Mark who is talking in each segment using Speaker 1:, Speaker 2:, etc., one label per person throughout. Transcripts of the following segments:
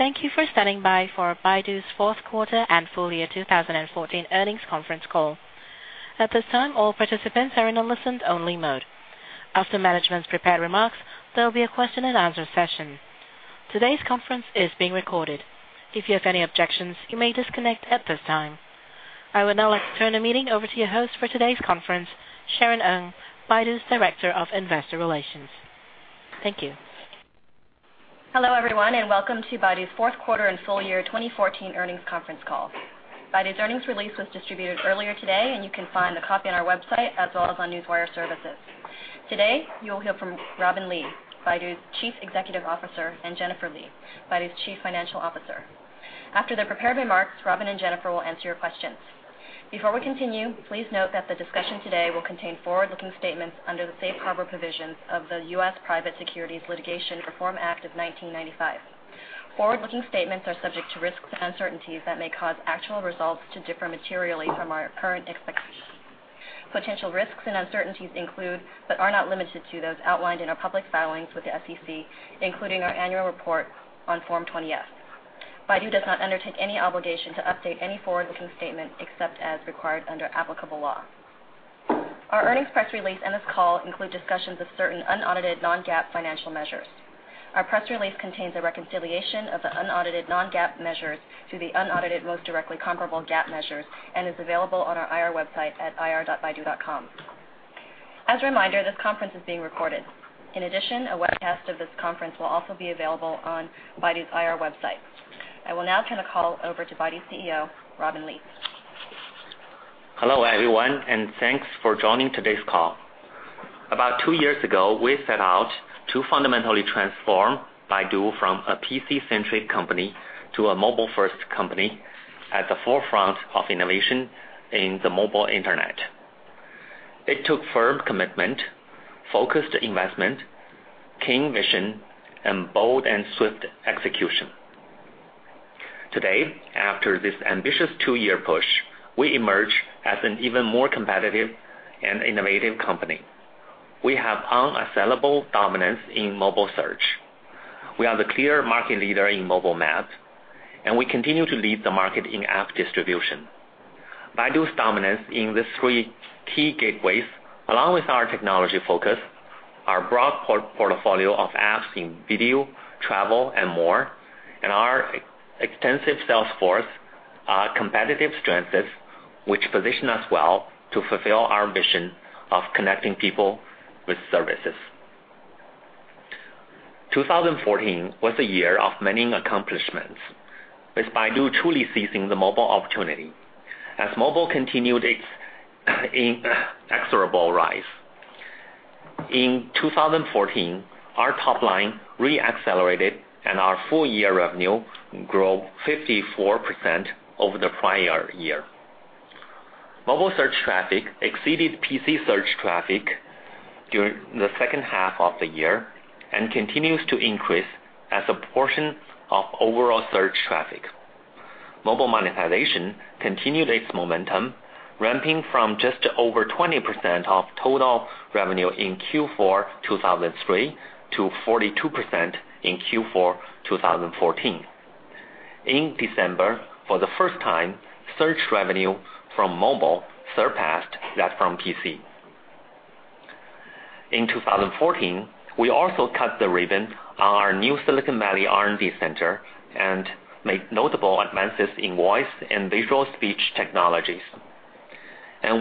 Speaker 1: Thank you for standing by for Baidu's fourth quarter and full year 2014 earnings conference call. At this time, all participants are in a listen-only mode. After management's prepared remarks, there'll be a question and answer session. Today's conference is being recorded. If you have any objections, you may disconnect at this time. I would now like to turn the meeting over to your host for today's conference, Sharon Ng, Baidu's Director of Investor Relations. Thank you.
Speaker 2: Hello, everyone, welcome to Baidu's fourth quarter and full year 2014 earnings conference call. Baidu's earnings release was distributed earlier today, you can find a copy on our website as well as on Newswire services. Today, you'll hear from Robin Li, Baidu's Chief Executive Officer, and Jennifer Li, Baidu's Chief Financial Officer. After their prepared remarks, Robin and Jennifer will answer your questions. Before we continue, please note that the discussion today will contain forward-looking statements under the Safe Harbor provisions of the U.S. Private Securities Litigation Reform Act of 1995. Forward-looking statements are subject to risks and uncertainties that may cause actual results to differ materially from our current expectations. Potential risks and uncertainties include, but are not limited to, those outlined in our public filings with the SEC, including our annual report on Form 20-F. Baidu does not undertake any obligation to update any forward-looking statement except as required under applicable law. Our earnings press release and this call include discussions of certain unaudited non-GAAP financial measures. Our press release contains a reconciliation of the unaudited non-GAAP measures to the unaudited most directly comparable GAAP measures and is available on our IR website at ir.baidu.com. As a reminder, this conference is being recorded. In addition, a webcast of this conference will also be available on Baidu's IR website. I will now turn the call over to Baidu's CEO, Robin Li.
Speaker 3: Hello, everyone, thanks for joining today's call. About two years ago, we set out to fundamentally transform Baidu from a PC-centric company to a mobile-first company at the forefront of innovation in the mobile internet. It took firm commitment, focused investment, keen vision, and bold and swift execution. Today, after this ambitious two-year push, we emerge as an even more competitive and innovative company. We have unassailable dominance in mobile search. We are the clear market leader in mobile maps, and we continue to lead the market in app distribution. Baidu's dominance in these three key gateways, along with our technology focus, our broad portfolio of apps in video, travel, and more, and our extensive sales force are competitive strengths which position us well to fulfill our mission of connecting people with services. 2014 was a year of many accomplishments, with Baidu truly seizing the mobile opportunity as mobile continued its inexorable rise. In 2014, our top line re-accelerated, our full year revenue grew 54% over the prior year. Mobile search traffic exceeded PC search traffic during the second half of the year and continues to increase as a portion of overall search traffic. Mobile monetization continued its momentum, ramping from just over 20% of total revenue in Q4 [2013] to 42% in Q4 2014. In December, for the first time, search revenue from mobile surpassed that from PC. In 2014, we also cut the ribbon on our new Silicon Valley R&D center and made notable advances in voice and visual speech technologies.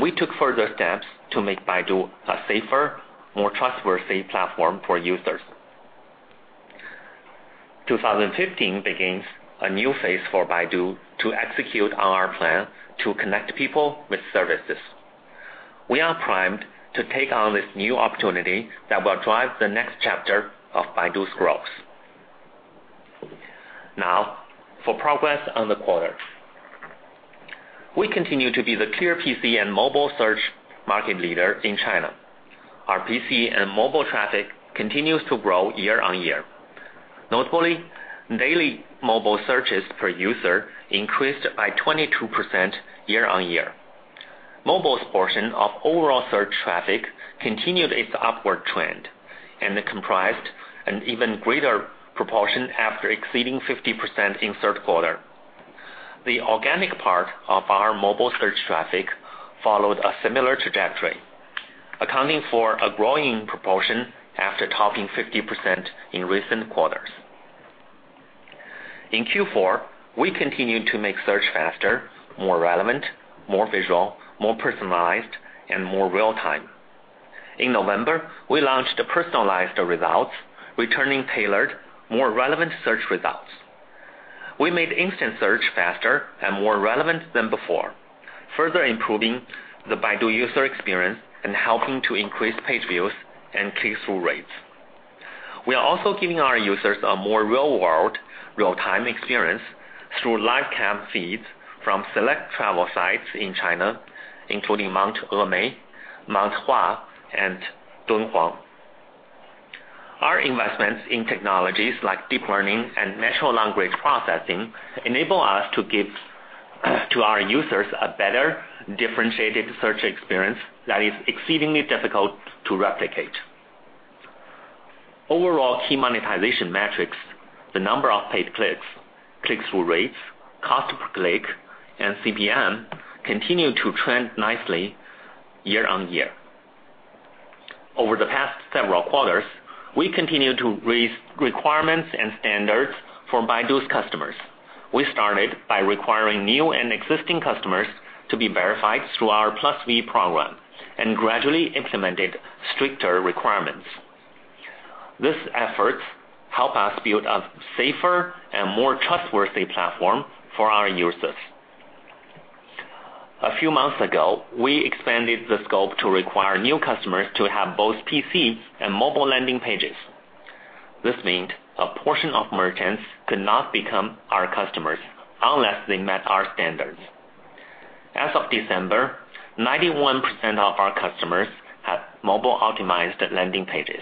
Speaker 3: We took further steps to make Baidu a safer, more trustworthy platform for users. 2015 begins a new phase for Baidu to execute on our plan to connect people with services. We are primed to take on this new opportunity that will drive the next chapter of Baidu's growth. Now for progress on the quarter. We continue to be the clear PC and mobile search market leader in China. Our PC and mobile traffic continues to grow year-on-year. Notably, daily mobile searches per user increased by 22% year-on-year. Mobile's portion of overall search traffic continued its upward trend and comprised an even greater proportion after exceeding 50% in the third quarter. The organic part of our mobile search traffic followed a similar trajectory, accounting for a growing proportion after topping 50% in recent quarters. In Q4, we continued to make search faster, more relevant, more visual, more personalized, and more real time. In November, we launched personalized results, returning tailored, more relevant search results. We made instant search faster and more relevant than before, further improving the Baidu user experience and helping to increase page views and click-through rates. We are also giving our users a more real-world, real-time experience through live cam feeds from select travel sites in China, including Mount Emei, Mount Hua, and Dunhuang. Our investments in technologies like deep learning and natural language processing enable us to give to our users a better differentiated search experience that is exceedingly difficult to replicate. Overall key monetization metrics, the number of paid clicks, click-through rates, cost per click, and CPM continue to trend nicely year-on-year. Over the past several quarters, we continue to raise requirements and standards for Baidu's customers. We started by requiring new and existing customers to be verified through our PlusV program and gradually implemented stricter requirements. These efforts help us build a safer and more trustworthy platform for our users. A few months ago, we expanded the scope to require new customers to have both PC and mobile landing pages. This meant a portion of merchants could not become our customers unless they met our standards. As of December, 91% of our customers have mobile-optimized landing pages.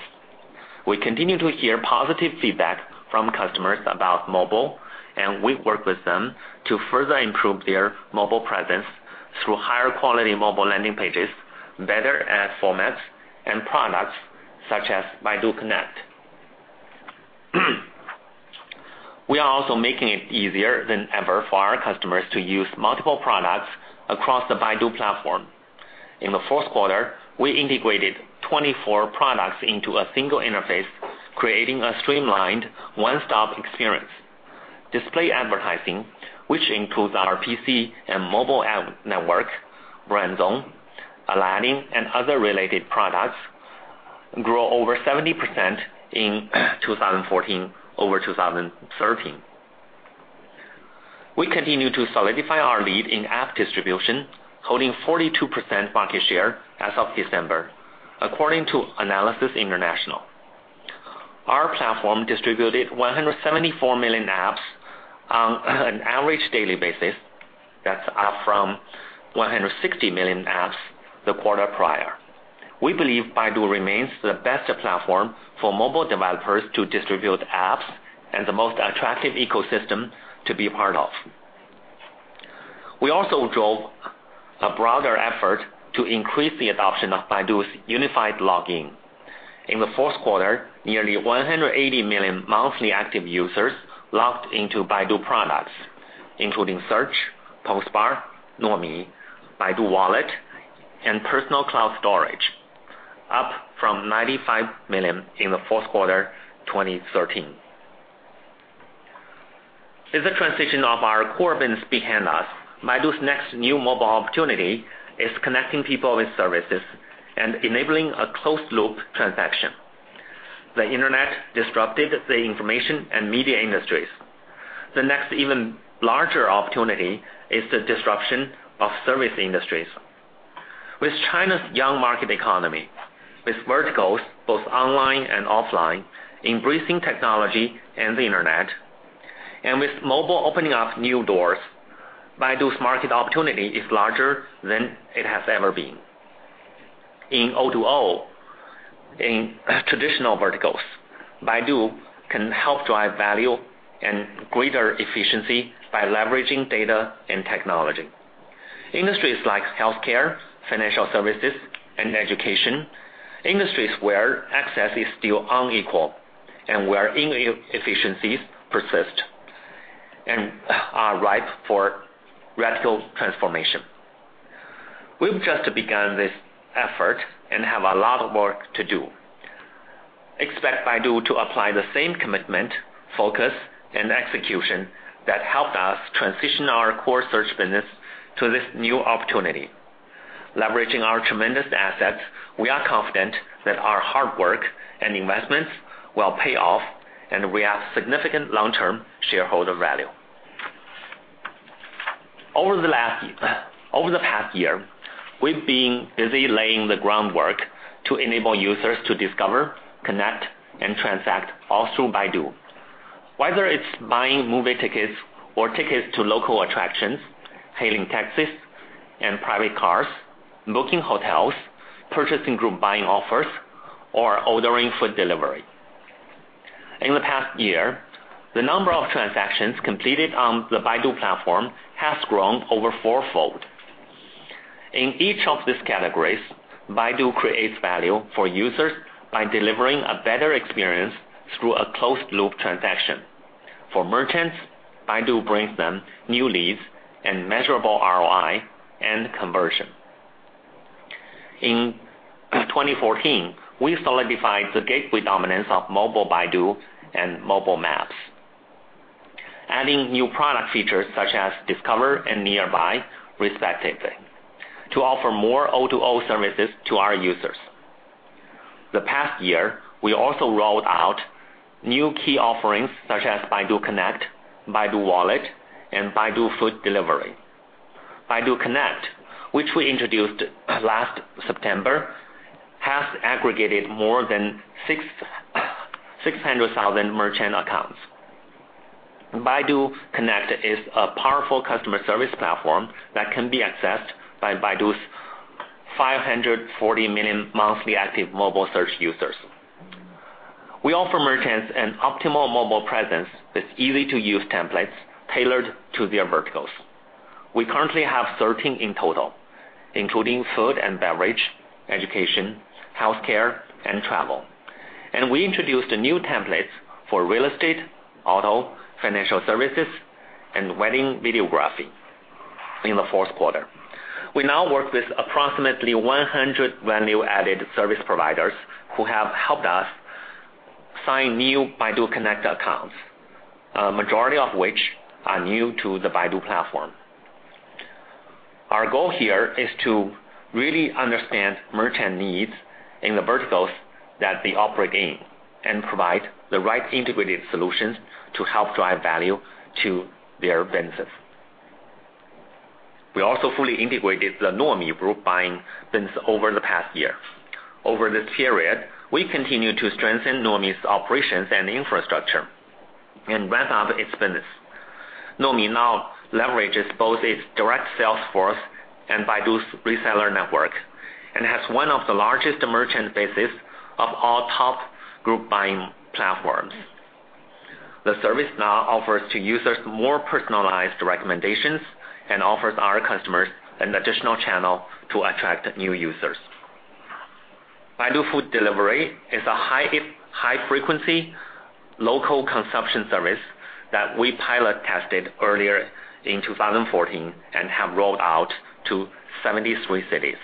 Speaker 3: We continue to hear positive feedback from customers about mobile, and we work with them to further improve their mobile presence through higher quality mobile landing pages, better ad formats, and products such as Baidu Connect. We are also making it easier than ever for our customers to use multiple products across the Baidu platform. In the fourth quarter, we integrated 24 products into a single interface, creating a streamlined one-stop experience. Display advertising, which includes our PC and mobile app network, Brand Zone, Aladdin, and other related products, grew over 70% in 2014 over 2013. We continue to solidify our lead in app distribution, holding 42% market share as of December, according to Analysys International. Our platform distributed 174 million apps on an average daily basis. That's up from 160 million apps the quarter prior. We believe Baidu remains the best platform for mobile developers to distribute apps and the most attractive ecosystem to be a part of. We also drove a broader effort to increase the adoption of Baidu's unified login. In the fourth quarter, nearly 180 million monthly active users logged into Baidu products, including Search, Baidu Post Bar, Nuomi, Baidu Wallet, and Personal Cloud Storage, up from 95 million in the fourth quarter 2013. With the transition of our core business behind us, Baidu's next new mobile opportunity is connecting people with services and enabling a closed-loop transaction. The internet disrupted the information and media industries. The next even larger opportunity is the disruption of service industries. With China's young market economy, with verticals both online and offline, embracing technology and the internet, and with mobile opening up new doors, Baidu's market opportunity is larger than it has ever been. In O2O, in traditional verticals, Baidu can help drive value and greater efficiency by leveraging data and technology. Industries like healthcare, financial services, and education, industries where access is still unequal and where inefficiencies persist and are ripe for radical transformation. We've just begun this effort and have a lot of work to do. Expect Baidu to apply the same commitment, focus, and execution that helped us transition our core search business to this new opportunity. Leveraging our tremendous assets, we are confident that our hard work and investments will pay off, and we have significant long-term shareholder value. Over the past year, we've been busy laying the groundwork to enable users to discover, connect, and transact all through Baidu, whether it's buying movie tickets or tickets to local attractions, hailing taxis and private cars, booking hotels, purchasing group buying offers, or ordering food delivery. In the past year, the number of transactions completed on the Baidu platform has grown over four-fold. In each of these categories, Baidu creates value for users by delivering a better experience through a closed-loop transaction. For merchants, Baidu brings them new leads and measurable ROI and conversion. In 2014, we solidified the gateway dominance of Mobile Baidu and mobile maps, adding new product features such as Discover and Nearby, respectively, to offer more O2O services to our users. The past year, we also rolled out new key offerings such as Baidu Connect, Baidu Wallet, and Baidu Waimai. Baidu Connect, which we introduced last September, has aggregated more than 600,000 merchant accounts. Baidu Connect is a powerful customer service platform that can be accessed by Baidu's 540 million monthly active mobile search users. We offer merchants an optimal mobile presence with easy-to-use templates tailored to their verticals. We currently have 13 in total, including food and beverage, education, healthcare, and travel. We introduced new templates for real estate, auto, financial services, and wedding videography in the fourth quarter. We now work with approximately 100 value-added service providers who have helped us sign new Baidu Connect accounts, a majority of which are new to the Baidu platform. Our goal here is to really understand merchant needs in the verticals that they operate in and provide the right integrated solutions to help drive value to their businesses. We also fully integrated the Nuomi Group Buy business over the past year. Over this period, we continued to strengthen Nuomi's operations and infrastructure and ramp up its business. Nuomi now leverages both its direct sales force and Baidu's reseller network and has one of the largest merchant bases of all top Group Buy platforms. The service now offers to users more personalized recommendations and offers our customers an additional channel to attract new users. Baidu Food Delivery is a high-frequency local consumption service that we pilot tested earlier in 2014 and have rolled out to 73 cities.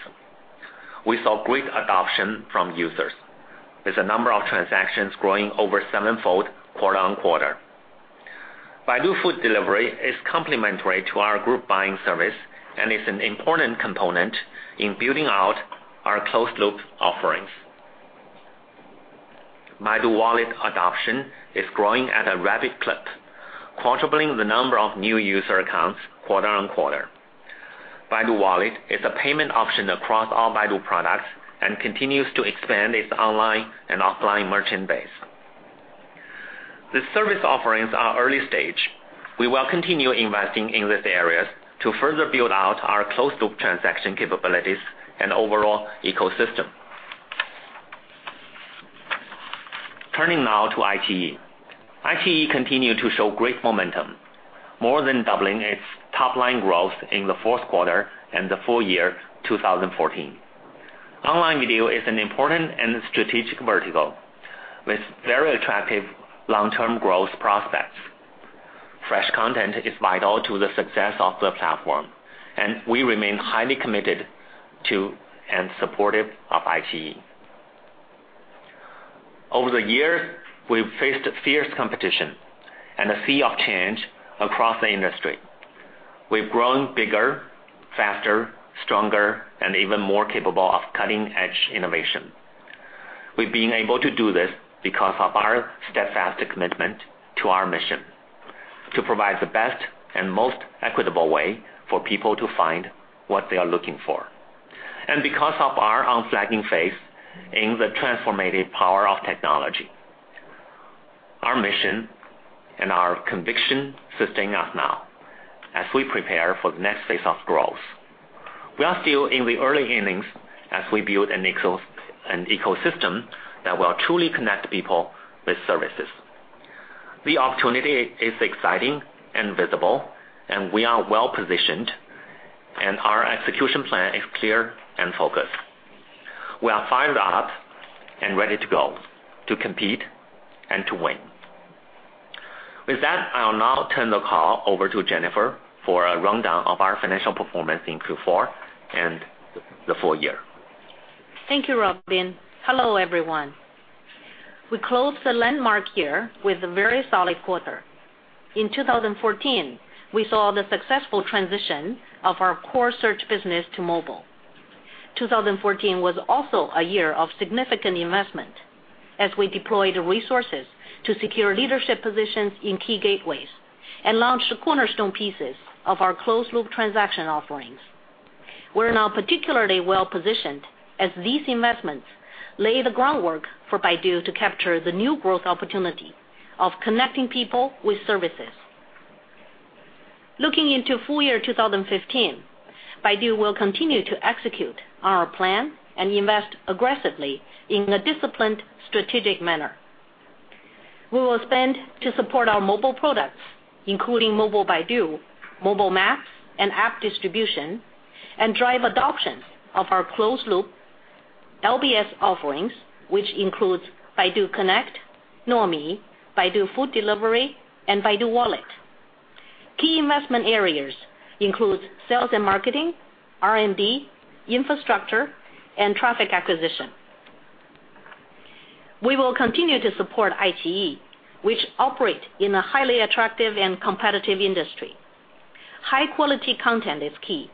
Speaker 3: We saw great adoption from users, with the number of transactions growing over sevenfold quarter-on-quarter. Baidu Food Delivery is complementary to our Group Buy service and is an important component in building out our closed-loop offerings. Baidu Wallet adoption is growing at a rapid clip, quadrupling the number of new user accounts quarter-on-quarter. Baidu Wallet is a payment option across all Baidu products and continues to expand its online and offline merchant base. These service offerings are early stage. We will continue investing in these areas to further build out our closed-loop transaction capabilities and overall ecosystem. Turning now to iQIYI. iQIYI continued to show great momentum, more than doubling its top-line growth in the fourth quarter and the full year 2014. Online video is an important and strategic vertical with very attractive long-term growth prospects. Fresh content is vital to the success of the platform, and we remain highly committed to and supportive of iQIYI. Over the years, we've faced fierce competition and a sea of change across the industry. We've grown bigger, faster, stronger, and even more capable of cutting-edge innovation. We've been able to do this because of our steadfast commitment to our mission to provide the best and most equitable way for people to find what they are looking for. Because of our unflagging faith in the transformative power of technology. Our mission and our conviction sustain us now as we prepare for the next phase of growth. We are still in the early innings as we build an ecosystem that will truly connect people with services. The opportunity is exciting and visible, we are well-positioned, and our execution plan is clear and focused. We are fired up and ready to go to compete and to win. With that, I'll now turn the call over to Jennifer for a rundown of our financial performance in Q4 and the full year.
Speaker 4: Thank you, Robin. Hello, everyone. We closed the landmark year with a very solid quarter. In 2014, we saw the successful transition of our core search business to mobile. 2014 was also a year of significant investment as we deployed resources to secure leadership positions in key gateways and launched cornerstone pieces of our closed-loop transaction offerings. We're now particularly well-positioned as these investments lay the groundwork for Baidu to capture the new growth opportunity of connecting people with services. Looking into full year 2015, Baidu will continue to execute our plan and invest aggressively in a disciplined, strategic manner. We will spend to support our mobile products, including Mobile Baidu Maps, and App Distribution, and drive adoption of our closed-loop LBS offerings, which includes Baidu Connect, Nuomi, Baidu Waimai, and Baidu Wallet. Key investment areas include sales and marketing, R&D, infrastructure, and traffic acquisition. We will continue to support iQIYI, which operate in a highly attractive and competitive industry. High-quality content is key.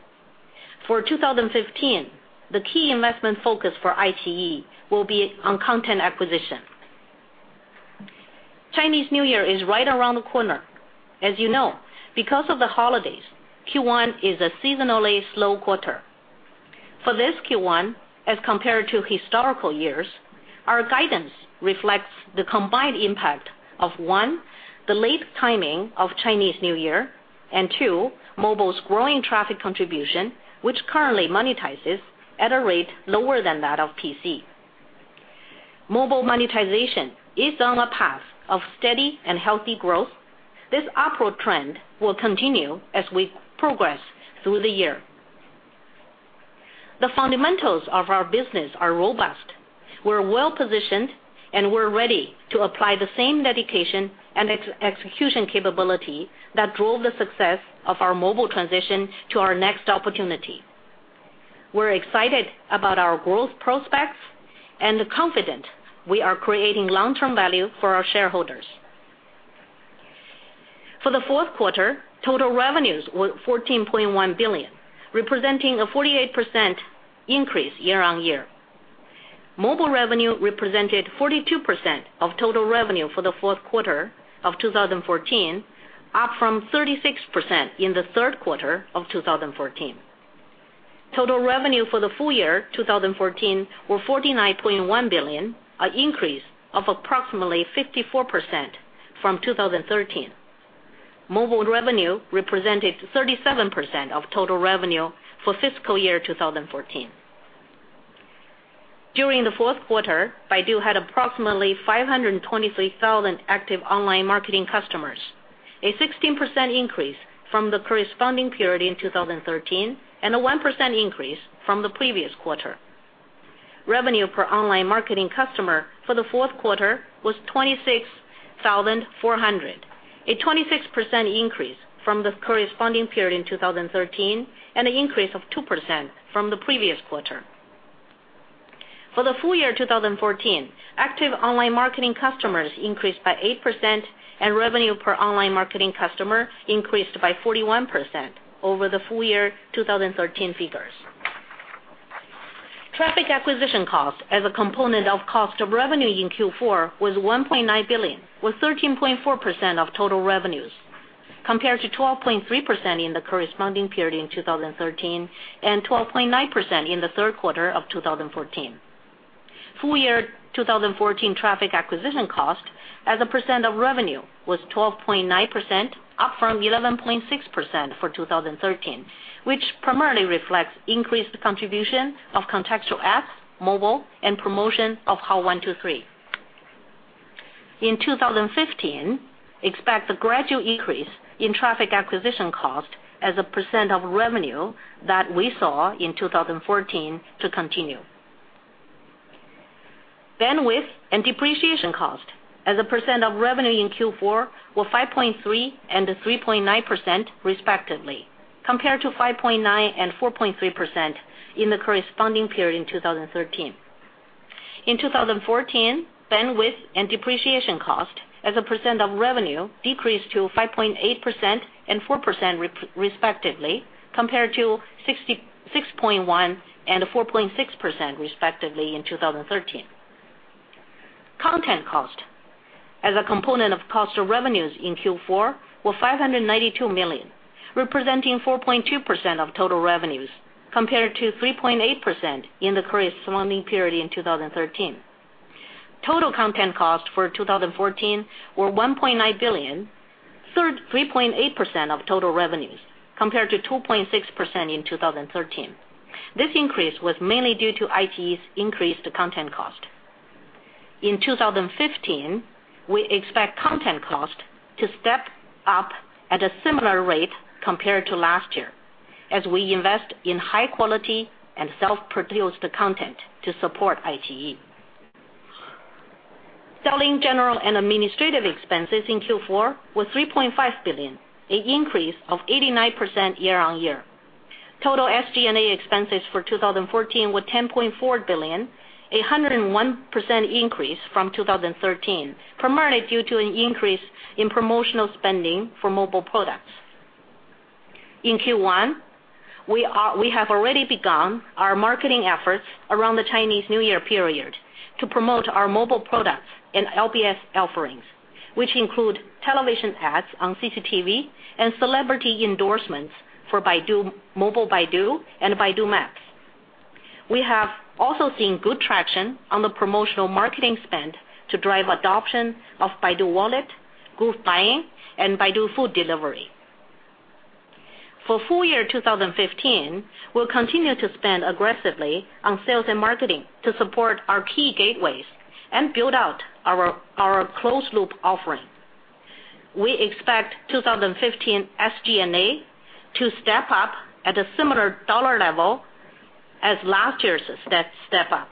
Speaker 4: For 2015, the key investment focus for iQIYI will be on content acquisition. Chinese New Year is right around the corner. As you know, because of the holidays, Q1 is a seasonally slow quarter. For this Q1, as compared to historical years, our guidance reflects the combined impact of one, the late timing of Chinese New Year. Two, mobile's growing traffic contribution, which currently monetizes at a rate lower than that of PC. Mobile monetization is on a path of steady and healthy growth. This upward trend will continue as we progress through the year. The fundamentals of our business are robust. We're well-positioned, and we're ready to apply the same dedication and execution capability that drove the success of our mobile transition to our next opportunity. We're excited about our growth prospects and confident we are creating long-term value for our shareholders. For the fourth quarter, total revenues were RMB 14.1 billion, representing a 48% increase year-on-year. Mobile revenue represented 42% of total revenue for the fourth quarter of 2014, up from 36% in the third quarter of 2014. Total revenue for the full year 2014 were 49.1 billion, an increase of approximately 54% from 2013. Mobile revenue represented 37% of total revenue for fiscal year 2014. During the fourth quarter, Baidu had approximately 523,000 active online marketing customers, a 16% increase from the corresponding period in 2013 and a 1% increase from the previous quarter. Revenue per online marketing customer for the fourth quarter was 26,400, a 26% increase from the corresponding period in 2013, and an increase of 2% from the previous quarter. For the full year 2014, active online marketing customers increased by 8%, and revenue per online marketing customer increased by 41% over the full year 2013 figures. Traffic acquisition cost as a component of cost of revenue in Q4 was 1.9 billion, with 13.4% of total revenues, compared to 12.3% in the corresponding period in 2013 and 12.9% in the third quarter of 2014. Full year 2014 traffic acquisition cost as a % of revenue was 12.9%, up from 11.6% for 2013, which primarily reflects increased contribution of contextual ads, mobile, and promotion of Hao123. In 2015, expect the gradual increase in traffic acquisition cost as a % of revenue that we saw in 2014 to continue. Bandwidth and depreciation cost as a % of revenue in Q4 were 5.3% and 3.9%, respectively, compared to 5.9% and 4.3% in the corresponding period in 2013. In 2014, bandwidth and depreciation cost as a % of revenue decreased to 5.8% and 4%, respectively, compared to 6.1% and 4.6% respectively in 2013. Content cost as a component of cost of revenues in Q4 were 592 million, representing 4.2% of total revenues, compared to 3.8% in the corresponding period in 2013. Total content costs for 2014 were 1.9 billion, 3.8% of total revenues, compared to 2.6% in 2013. This increase was mainly due to iQIYI's increased content cost. In 2015, we expect content cost to step up at a similar rate compared to last year as we invest in high quality and self-produced content to support iQIYI. Selling, general and administrative expenses in Q4 was 3.5 billion, an increase of 89% year-over-year. Total SG&A expenses for 2014 were 10.4 billion, 101% increase from 2013, primarily due to an increase in promotional spending for mobile products. In Q1, we have already begun our marketing efforts around the Chinese New Year period to promote our mobile products and LBS offerings, which include television ads on CCTV and celebrity endorsements for Mobile Baidu and Baidu Maps. We have also seen good traction on the promotional marketing spend to drive adoption of Baidu Wallet, Group Buying, and Baidu Waimai. For full-year 2015, we'll continue to spend aggressively on sales and marketing to support our key gateways and build out our closed-loop offering. We expect 2015 SG&A to step up at a similar RMB level as last year's step up.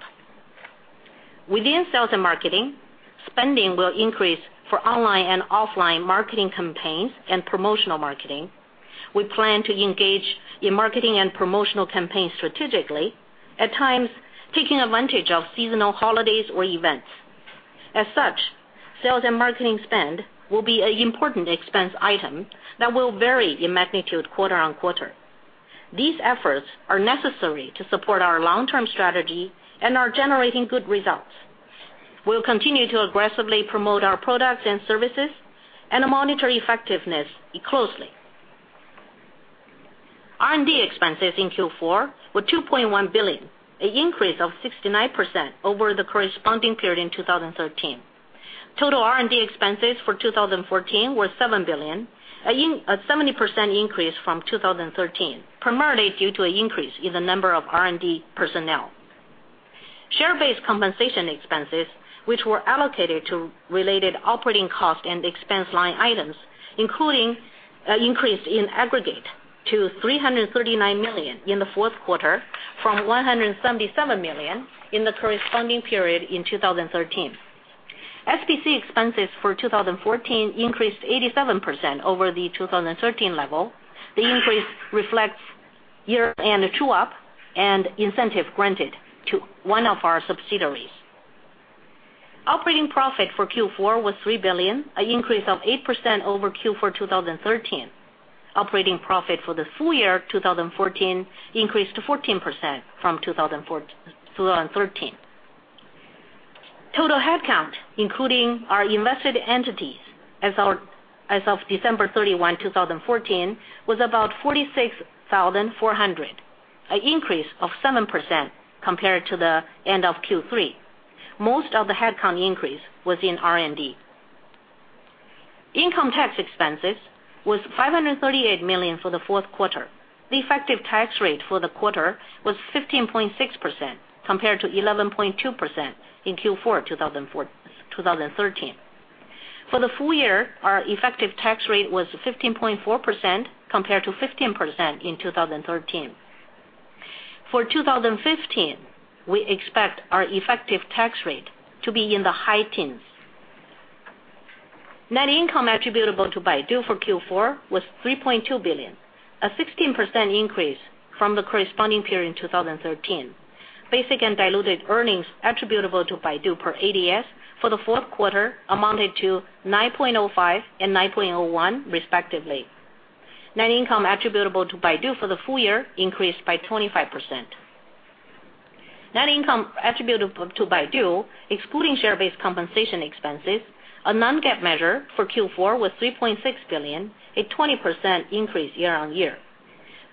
Speaker 4: Within sales and marketing, spending will increase for online and offline marketing campaigns and promotional marketing. We plan to engage in marketing and promotional campaigns strategically, at times taking advantage of seasonal holidays or events. As such, sales and marketing spend will be an important expense item that will vary in magnitude quarter-over-quarter. These efforts are necessary to support our long-term strategy and are generating good results. We'll continue to aggressively promote our products and services and monitor effectiveness closely. R&D expenses in Q4 were RMB 2.1 billion, an increase of 69% over the corresponding period in 2013. Total R&D expenses for 2014 were 7 billion, a 70% increase from 2013, primarily due to an increase in the number of R&D personnel. Share-based compensation expenses, which were allocated to related operating costs and expense line items, including increase in aggregate to 339 million in the fourth quarter from 177 million in the corresponding period in 2013. SBC expenses for 2014 increased 87% over the 2013 level. The increase reflects year-end true-up and incentive granted to one of our subsidiaries. Operating profit for Q4 was 3 billion, an increase of 8% over Q4 2013. Operating profit for the full-year 2014 increased to 14% from 2013. Total headcount, including our invested entities as of December 31, 2014, was about 46,400, an increase of 7% compared to the end of Q3. Most of the headcount increase was in R&D. Income tax expenses was 538 million for the fourth quarter. The effective tax rate for the quarter was 15.6% compared to 11.2% in Q4 2013. For the full year, our effective tax rate was 15.4% compared to 15% in 2013. For 2015, we expect our effective tax rate to be in the high teens. Net income attributable to Baidu for Q4 was 3.2 billion, a 16% increase from the corresponding period in 2013. Basic and diluted earnings attributable to Baidu per ADS for the fourth quarter amounted to 9.05 and 9.01 respectively. Net income attributable to Baidu for the full year increased by 25%. Net income attributable to Baidu, excluding share-based compensation expenses, a non-GAAP measure for Q4, was 3.6 billion, a 20% increase year-over-year.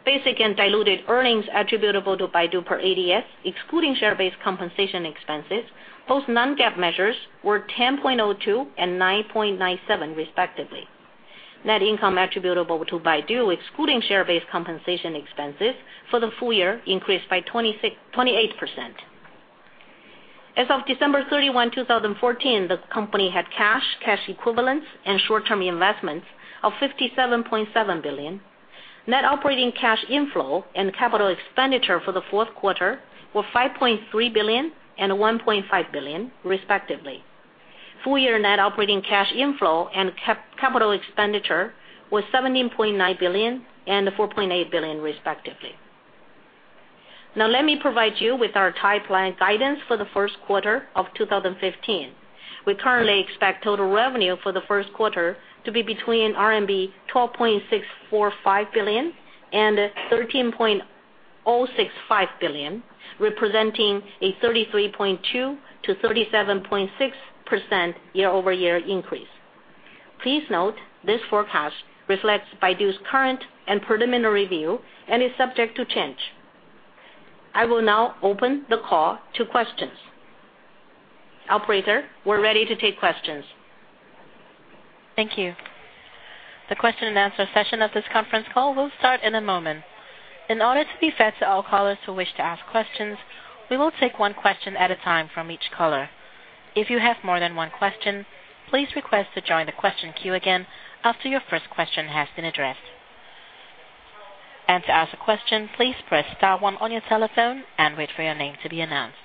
Speaker 4: Basic and diluted earnings attributable to Baidu per ADS, excluding share-based compensation expenses, both non-GAAP measures, were 10.02 and 9.97 respectively. Net income attributable to Baidu, excluding share-based compensation expenses for the full year, increased by 28%. As of December 31, 2014, the company had cash equivalents, and short-term investments of RMB 57.7 billion. Net operating cash inflow and capital expenditure for the fourth quarter were 5.3 billion and 1.5 billion respectively. Full-year net operating cash inflow and capital expenditure was 17.9 billion and 4.8 billion respectively. Now let me provide you with our guideline guidance for the first quarter of 2015. We currently expect total revenue for the first quarter to be between RMB 12.645 billion and 13.065 billion, representing a 33.2%-37.6% year-over-year increase. Please note this forecast reflects Baidu's current and preliminary view and is subject to change. I will now open the call to questions. Operator, we're ready to take questions.
Speaker 1: Thank you. The question and answer session of this conference call will start in a moment. In order to be fair to all callers who wish to ask questions, we will take one question at a time from each caller. If you have more than one question, please request to join the question queue again after your first question has been addressed. To ask a question, please press star one on your telephone and wait for your name to be announced.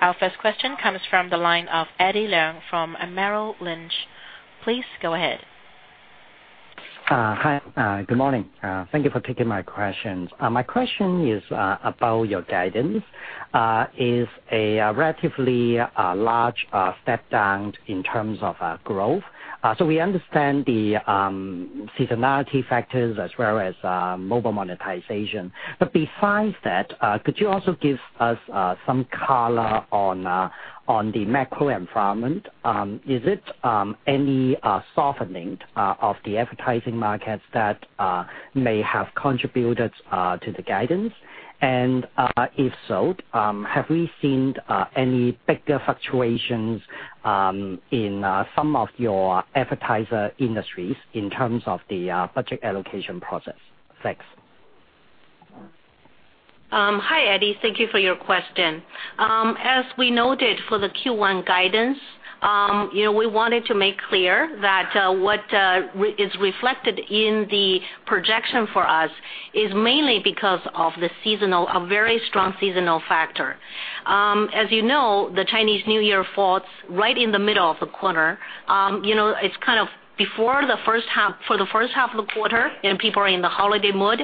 Speaker 1: Our first question comes from the line of Eddie Leung from Merrill Lynch. Please go ahead.
Speaker 5: Hi, good morning. Thank you for taking my questions. My question is about your guidance. It is a relatively large step down in terms of growth. We understand the seasonality factors as well as mobile monetization. Besides that, could you also give us some color on the macro environment? Is it any softening of the advertising markets that may have contributed to the guidance? If so, have we seen any bigger fluctuations in some of your advertiser industries in terms of the budget allocation process? Thanks.
Speaker 4: Hi, Eddie. Thank you for your question. As we noted for the Q1 guidance, we wanted to make clear that what is reflected in the projection for us is mainly because of a very strong seasonal factor. As you know, the Chinese New Year falls right in the middle of the quarter. It's kind of for the first half of the quarter, and people are in the holiday mood.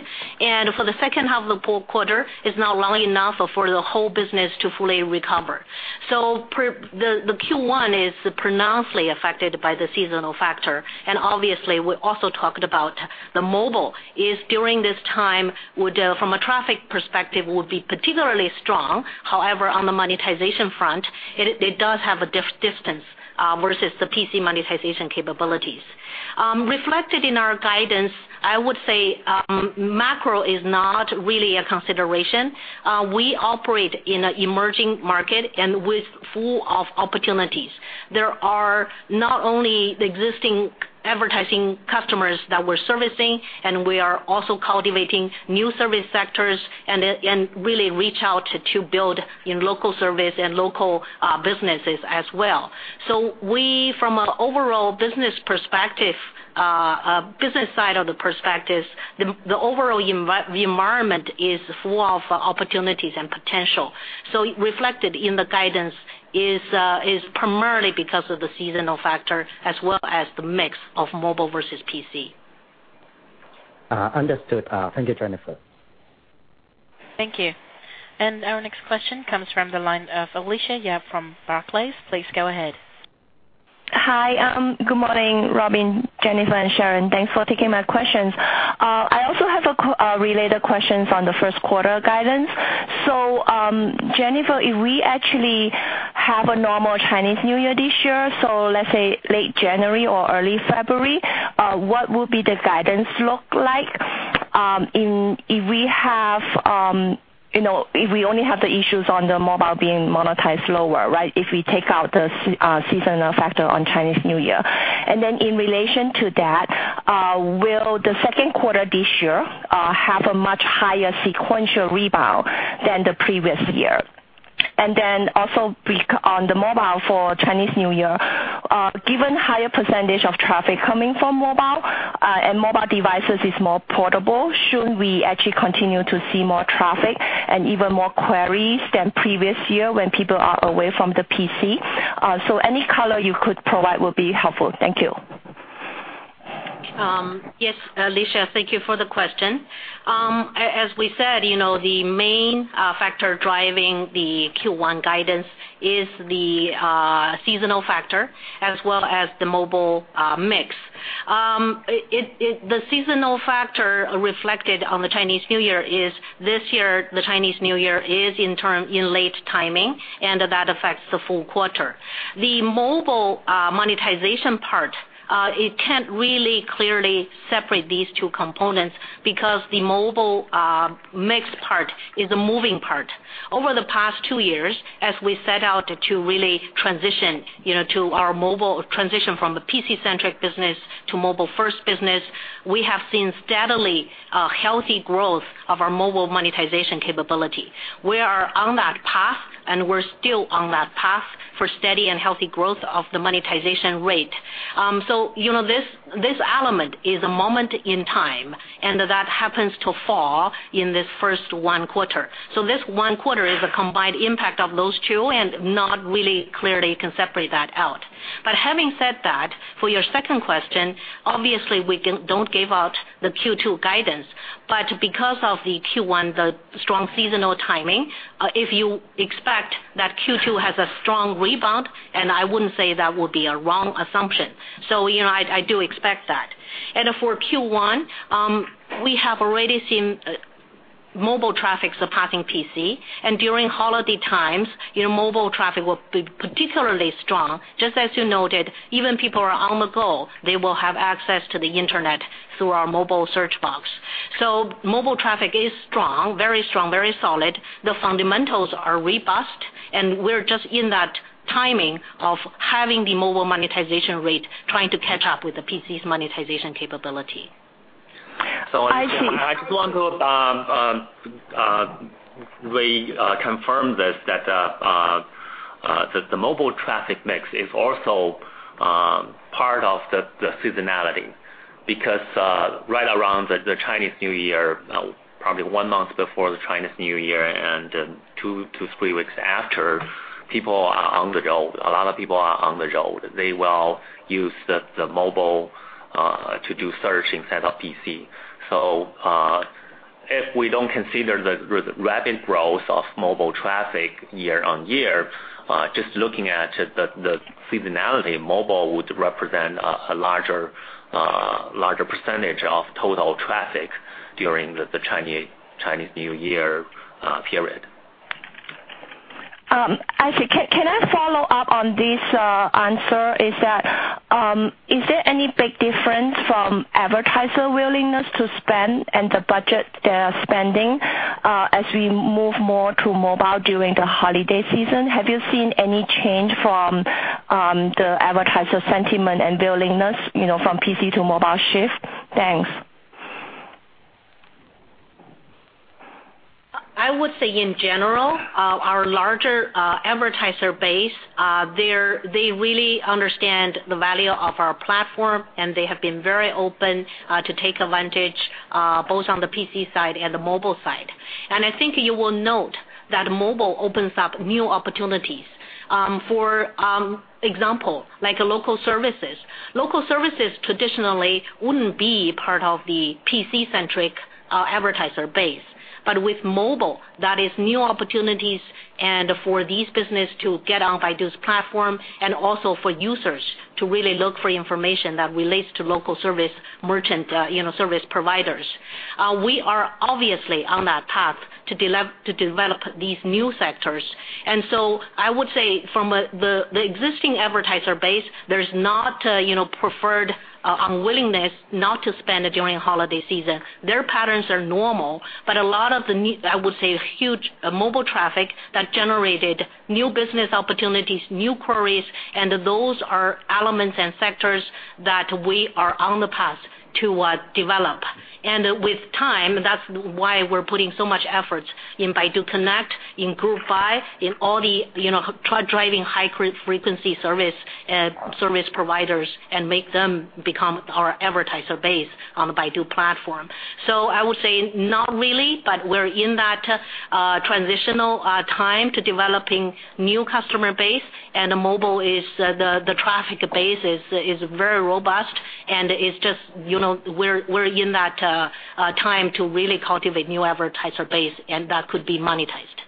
Speaker 4: For the second half of the quarter, it's not long enough for the whole business to fully recover. The Q1 is pronouncedly affected by the seasonal factor. Obviously, we also talked about the mobile is during this time, from a traffic perspective, would be particularly strong. However, on the monetization front, it does have a distance versus the PC monetization capabilities. Reflected in our guidance, I would say macro is not really a consideration. We operate in an emerging market and with full of opportunities. There are not only the existing advertising customers that we're servicing, we are also cultivating new service sectors and really reach out to build in local service and local businesses as well. From a business side of the perspectives, the overall environment is full of opportunities and potential. Reflected in the guidance is primarily because of the seasonal factor as well as the mix of mobile versus PC.
Speaker 5: Understood. Thank you, Jennifer.
Speaker 1: Thank you. Our next question comes from the line of Alicia Yap from Barclays. Please go ahead.
Speaker 6: Hi. Good morning, Robin, Jennifer, and Sharon. Thanks for taking my questions. I also have a related question from the first quarter guidance. Jennifer, if we actually have a normal Chinese New Year this year, let's say late January or early February, what will be the guidance look like if we only have the issues on the mobile being monetized lower, right? If we take out the seasonal factor on Chinese New Year. In relation to that, will the second quarter this year have a much higher sequential rebound than the previous year? Also on the mobile for Chinese New Year, given higher percentage of traffic coming from mobile and mobile devices is more portable, should we actually continue to see more traffic and even more queries than previous year when people are away from the PC? Any color you could provide will be helpful. Thank you.
Speaker 4: Yes, Alicia, thank you for the question. As we said, the main factor driving the Q1 guidance is the seasonal factor as well as the mobile mix. The seasonal factor reflected on the Chinese New Year is this year, the Chinese New Year is in late timing, and that affects the full quarter. The mobile monetization part, it can't really clearly separate these two components because the mobile mix part is a moving part. Over the past two years, as we set out to really transition from the PC-centric business to mobile first business, we have seen steadily healthy growth of our mobile monetization capability. We are on that path, and we're still on that path for steady and healthy growth of the monetization rate. This element is a moment in time, and that happens to fall in this first one quarter. This one quarter is a combined impact of those two and not really clearly can separate that out. Having said that, for your second question, obviously we don't give out the Q2 guidance. Because of the Q1, the strong seasonal timing, if you expect that Q2 has a strong rebound, I wouldn't say that would be a wrong assumption. I do expect that. For Q1, we have already seen mobile traffic surpassing PC, and during holiday times, mobile traffic will be particularly strong. Just as you noted, even people are on the go, they will have access to the internet through our mobile search box. Mobile traffic is strong, very strong, very solid. The fundamentals are robust, and we're just in that timing of having the mobile monetization rate trying to catch up with the PC's monetization capability.
Speaker 3: I just want to reconfirm this, that the mobile traffic mix is also part of the seasonality because right around the Chinese New Year, probably one month before the Chinese New Year and two to three weeks after, people are on the go. A lot of people are on the go. They will use the mobile to do search instead of PC. If we don't consider the rapid growth of mobile traffic year-over-year, just looking at the seasonality, mobile would represent a larger % of total traffic during the Chinese New Year period.
Speaker 6: Actually, can I follow up on this answer? Is there any big difference from advertiser willingness to spend and the budget they are spending as we move more to mobile during the holiday season? Have you seen any change from the advertiser sentiment and willingness from PC to mobile shift? Thanks.
Speaker 4: I would say in general, our larger advertiser base, they really understand the value of our platform, and they have been very open to take advantage both on the PC side and the mobile side. I think you will note that mobile opens up new opportunities. For example, like local services. Local services traditionally wouldn't be part of the PC-centric advertiser base. With mobile, that is new opportunities and for these business to get on Baidu's platform and also for users to really look for information that relates to local service merchant service providers. We are obviously on that path to develop these new sectors. I would say from the existing advertiser base, there's not preferred unwillingness not to spend during holiday season. Their patterns are normal, but a lot of the, I would say, huge mobile traffic that generated new business opportunities, new queries, and those are elements and sectors that we are on the path to develop. With time, that's why we're putting so much efforts in Baidu CarLife, in Group Buy, in all the driving high frequency service providers and make them become our advertiser base on the Baidu platform. I would say not really, but we're in that transitional time to developing new customer base, and the mobile, the traffic base is very robust, and we're in that time to really cultivate new advertiser base, and that could be monetized.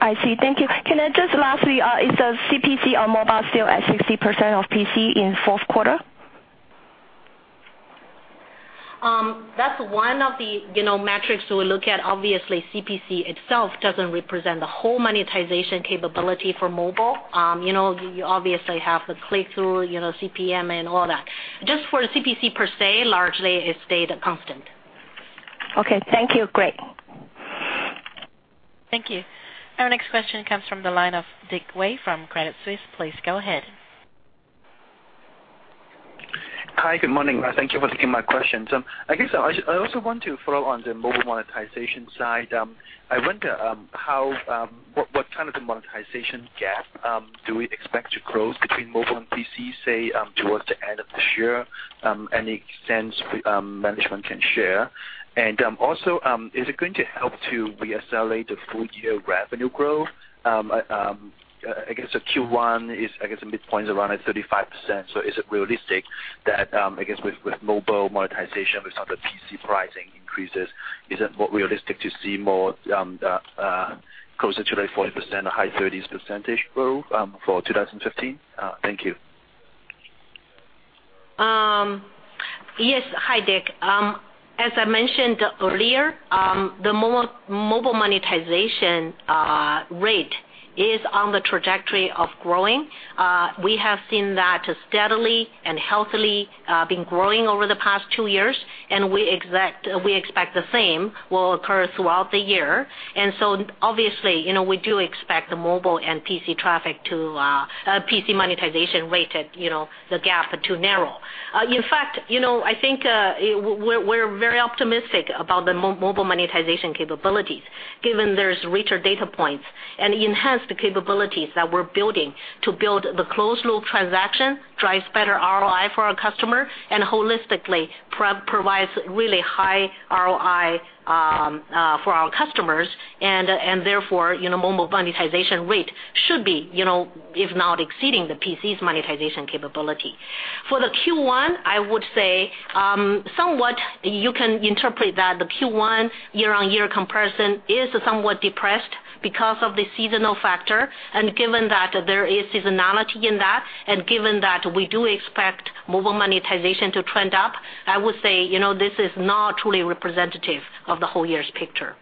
Speaker 6: I see. Thank you. Can I just lastly, is the CPC on mobile still at 60% of PC in fourth quarter?
Speaker 4: That's one of the metrics we look at. Obviously, CPC itself doesn't represent the whole monetization capability for mobile. You obviously have the click-through, CPM and all that. Just for CPC per se, largely it's stayed constant.
Speaker 6: Okay, thank you. Great.
Speaker 1: Thank you. Our next question comes from the line of Dick Wei from Credit Suisse. Please go ahead.
Speaker 7: Hi, good morning. Thank you for taking my questions. I guess I also want to follow on the mobile monetization side. I wonder what kind of the monetization gap do we expect to close between mobile and PC, say, towards the end of this year? Any sense management can share? Is it going to help to re-accelerate the full-year revenue growth? I guess Q1 is, I guess, the midpoint is around at 35%. Is it realistic that, I guess, with mobile monetization, with other PC pricing increases, is it more realistic to see more closer to like 40%, high thirties percentage growth for 2015? Thank you.
Speaker 4: Yes. Hi, Dick. As I mentioned earlier, the mobile monetization rate is on the trajectory of growing. We have seen that steadily and healthily been growing over the past two years, we expect the same will occur throughout the year. Obviously, we do expect the mobile and PC traffic to PC monetization rate, the gap to narrow. In fact, I think we're very optimistic about the mobile monetization capabilities, given there's richer data points and enhanced capabilities that we're building to build the closed loop transaction, drives better ROI for our customer, holistically provides really high ROI for our customers and therefore, mobile monetization rate should be, if not exceeding, the PC's monetization capability. For the Q1, I would say, somewhat you can interpret that the Q1 year-on-year comparison is somewhat depressed because of the seasonal factor, given that there is seasonality in that, given that we do expect mobile monetization to trend up, I would say this is not truly representative of the whole year's picture.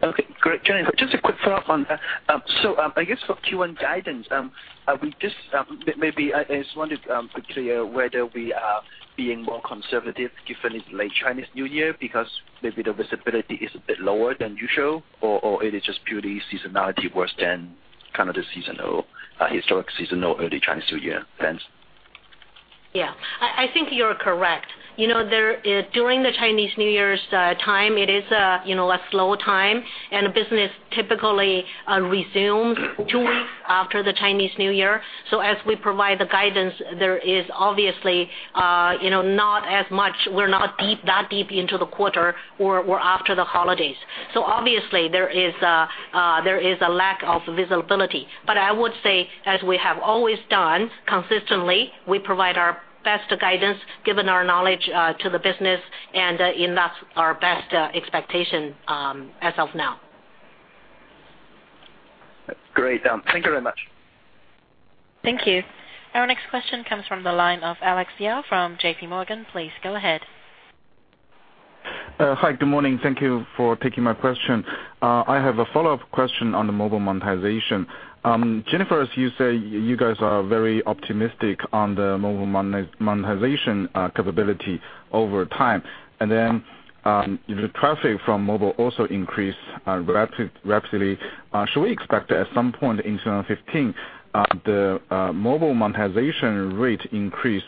Speaker 7: Okay, great. Jennifer, just a quick follow-up on that. I guess for Q1 guidance, maybe I just wanted to clear whether we are being more conservative given it's late Chinese New Year because maybe the visibility is a bit lower than usual, or it is just purely seasonality worse than kind of the historic seasonal early Chinese New Year trends?
Speaker 4: Yeah. I think you're correct. During the Chinese New Year time, it is a slow time, and business typically resumes two weeks after the Chinese New Year. As we provide the guidance, there is obviously not as much, we're not that deep into the quarter or after the holidays. Obviously, there is a lack of visibility. I would say, as we have always done consistently, we provide our best guidance, given our knowledge to the business, and in that our best expectation as of now.
Speaker 7: Great. Thank you very much.
Speaker 1: Thank you. Our next question comes from the line of Alex Yao from J.P. Morgan. Please go ahead.
Speaker 8: Hi, good morning. Thank you for taking my question. I have a follow-up question on the mobile monetization. Jennifer, as you say, you guys are very optimistic on the mobile monetization capability over time. The traffic from mobile also increased rapidly. Should we expect at some point in 2015, the mobile monetization rate increase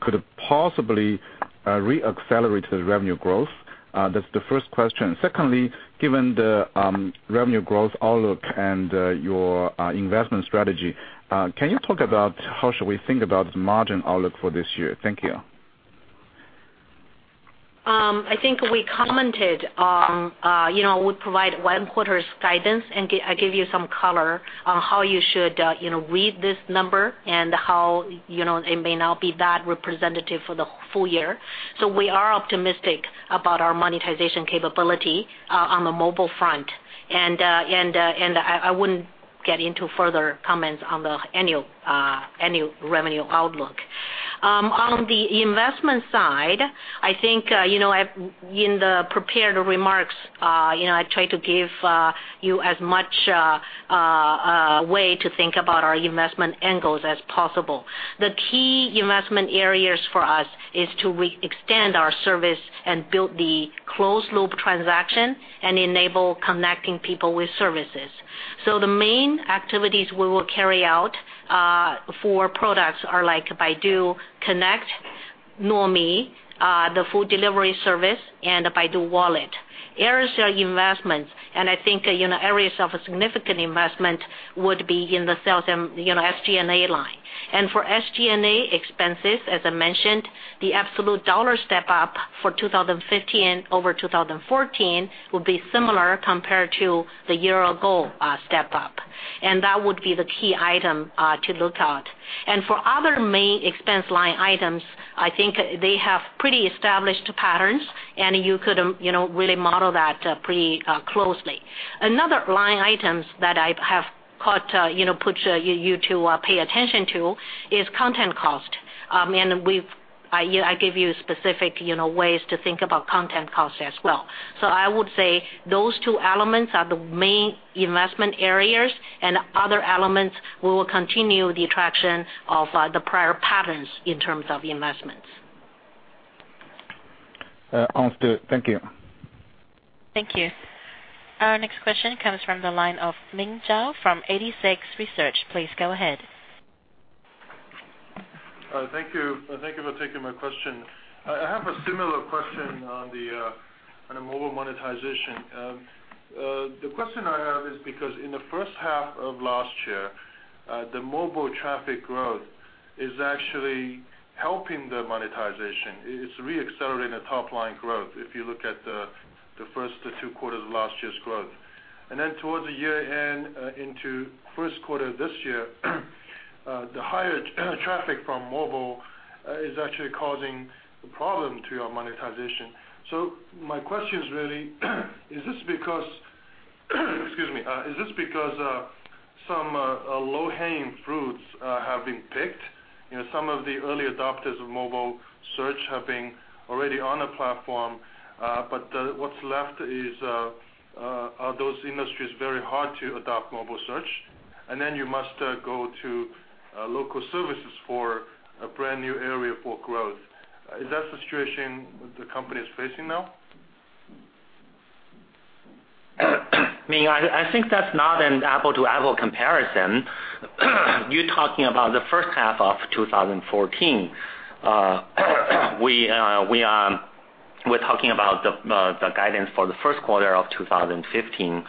Speaker 8: could possibly re-accelerate the revenue growth? That's the first question. Secondly, given the revenue growth outlook and your investment strategy, can you talk about how should we think about margin outlook for this year? Thank you.
Speaker 4: I think we commented, we provide one quarter's guidance, and I give you some color on how you should read this number and how it may not be that representative for the full year. We are optimistic about our monetization capability on the mobile front. I wouldn't get into further comments on the annual revenue outlook. On the investment side, I think in the prepared remarks, I tried to give you as much way to think about our investment angles as possible. The key investment areas for us is to extend our service and build the closed loop transaction and enable connecting people with services. The main activities we will carry out for products are like Baidu CarLife, Nuomi, the food delivery service, and Baidu Wallet. Areas of investment, I think areas of significant investment would be in the sales and SG&A line. For SG&A expenses, as I mentioned, the absolute dollar step-up for 2015 over 2014 will be similar compared to the year-ago step-up. That would be the key item to look at. For other main expense line items, I think they have pretty established patterns, and you could really model that pretty closely. Another line item that I have put you to pay attention to is content cost. I gave you specific ways to think about content cost as well. I would say those two elements are the main investment areas, and other elements will continue the traction of the prior patterns in terms of investments.
Speaker 8: Understood. Thank you.
Speaker 1: Thank you. Our next question comes from the line of Ming Zhao from 86Research. Please go ahead.
Speaker 9: Thank you for taking my question. I have a similar question on the mobile monetization. The question I have is because in the first half of last year, the mobile traffic growth is actually helping the monetization. It's re-accelerating the top-line growth, if you look at the first 2 quarters of last year's growth. Towards the year-end into first quarter this year, the higher traffic from mobile is actually causing a problem to your monetization. My question is really, is this because some low-hanging fruits have been picked? Some of the early adopters of mobile search have been already on the platform, but what's left is, are those industries very hard to adopt mobile search? You must go to local services for a brand-new area for growth. Is that the situation the company is facing now?
Speaker 3: Ming, I think that's not an apple-to-apple comparison. You're talking about the first half of 2014. We're talking about the guidance for the first quarter of 2015.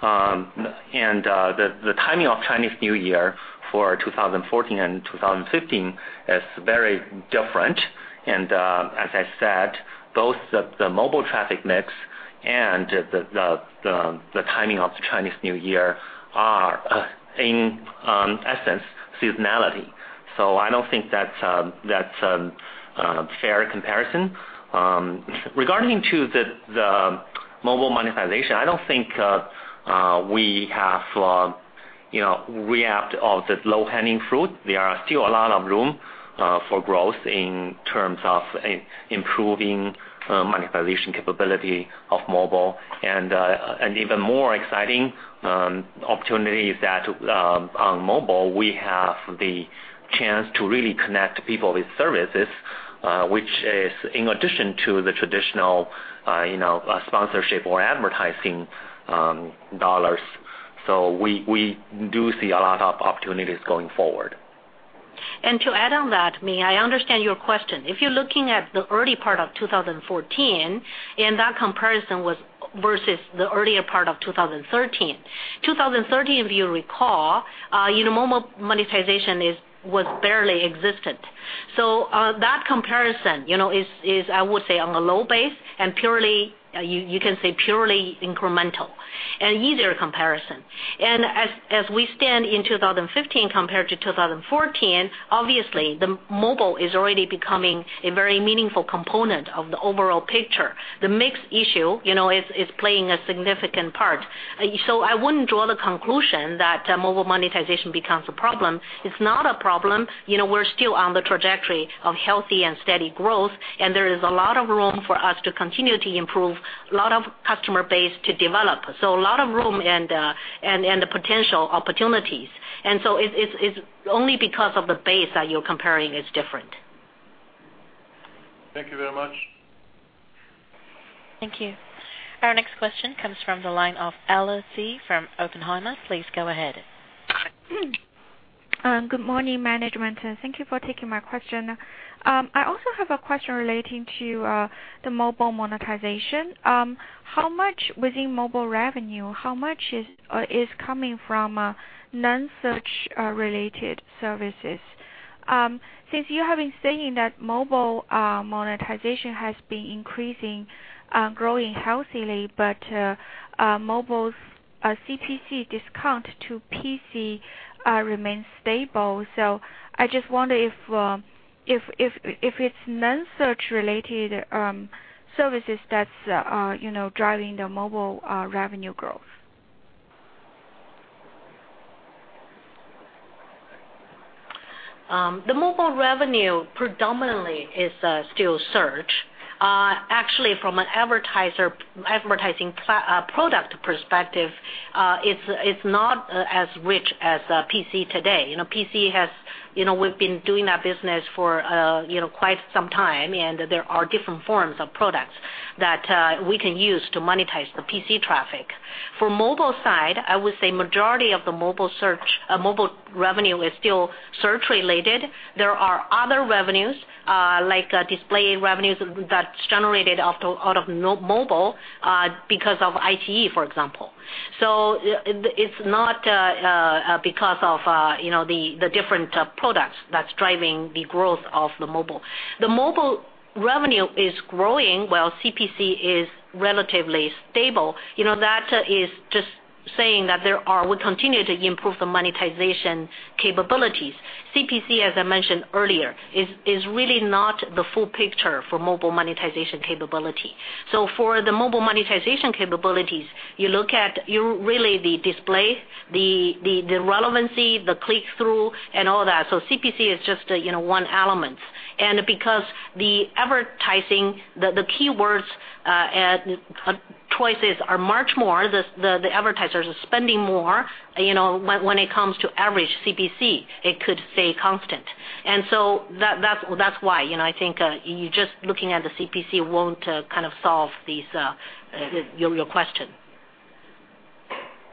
Speaker 3: The timing of Chinese New Year for 2014 and 2015 is very different. As I said, both the mobile traffic mix and the timing of Chinese New Year are, in essence, seasonality. I don't think that's a fair comparison. Regarding the mobile monetization, I don't think we have reaped all the low-hanging fruit. There are still a lot of room for growth in terms of improving monetization capability of mobile, and even more exciting opportunity is that on mobile, we have the chance to really connect people with services, which is in addition to the traditional sponsorship or advertising RMB. We do see a lot of opportunities going forward.
Speaker 4: To add on that, Ming, I understand your question. If you're looking at the early part of 2014, that comparison was versus the earlier part of 2013. 2013, if you recall, mobile monetization barely existed. That comparison is, I would say, on a low base and you can say purely incremental, an easier comparison. As we stand in 2015 compared to 2014, obviously, the mobile is already becoming a very meaningful component of the overall picture. The mix issue is playing a significant part. I wouldn't draw the conclusion that mobile monetization becomes a problem. It's not a problem. We're still on the trajectory of healthy and steady growth, and there is a lot of room for us to continue to improve, a lot of customer base to develop. A lot of room and the potential opportunities. It's only because of the base that you're comparing is different.
Speaker 9: Thank you very much.
Speaker 1: Thank you. Our next question comes from the line of Ella Ji from Oppenheimer. Please go ahead.
Speaker 10: Good morning, management. Thank you for taking my question. I also have a question relating to the mobile monetization. Within mobile revenue, how much is coming from non-search related services? Since you have been saying that mobile monetization has been increasing, growing healthily, but mobile CPC discount to PC remains stable. I just wonder if it's non-search related services that's driving the mobile revenue growth.
Speaker 4: The mobile revenue predominantly is still search. Actually, from an advertising product perspective, it's not as rich as PC today. We've been doing that business for quite some time. There are different forms of products that we can use to monetize the PC traffic. For mobile side, I would say majority of the mobile revenue is still search related. There are other revenues, like display revenues, that's generated out of mobile, because of IE, for example. It's not because of the different products that's driving the growth of the mobile. The mobile revenue is growing, while CPC is relatively stable. That is just saying that we continue to improve the monetization capabilities. CPC, as I mentioned earlier, is really not the full picture for mobile monetization capability. For the mobile monetization capabilities, you look at really the display, the relevancy, the click-through, and all that. CPC is just one element. Because the advertising, the keywords choices are much more, the advertisers are spending more, when it comes to average CPC, it could stay constant. That's why I think you just looking at the CPC won't solve your question.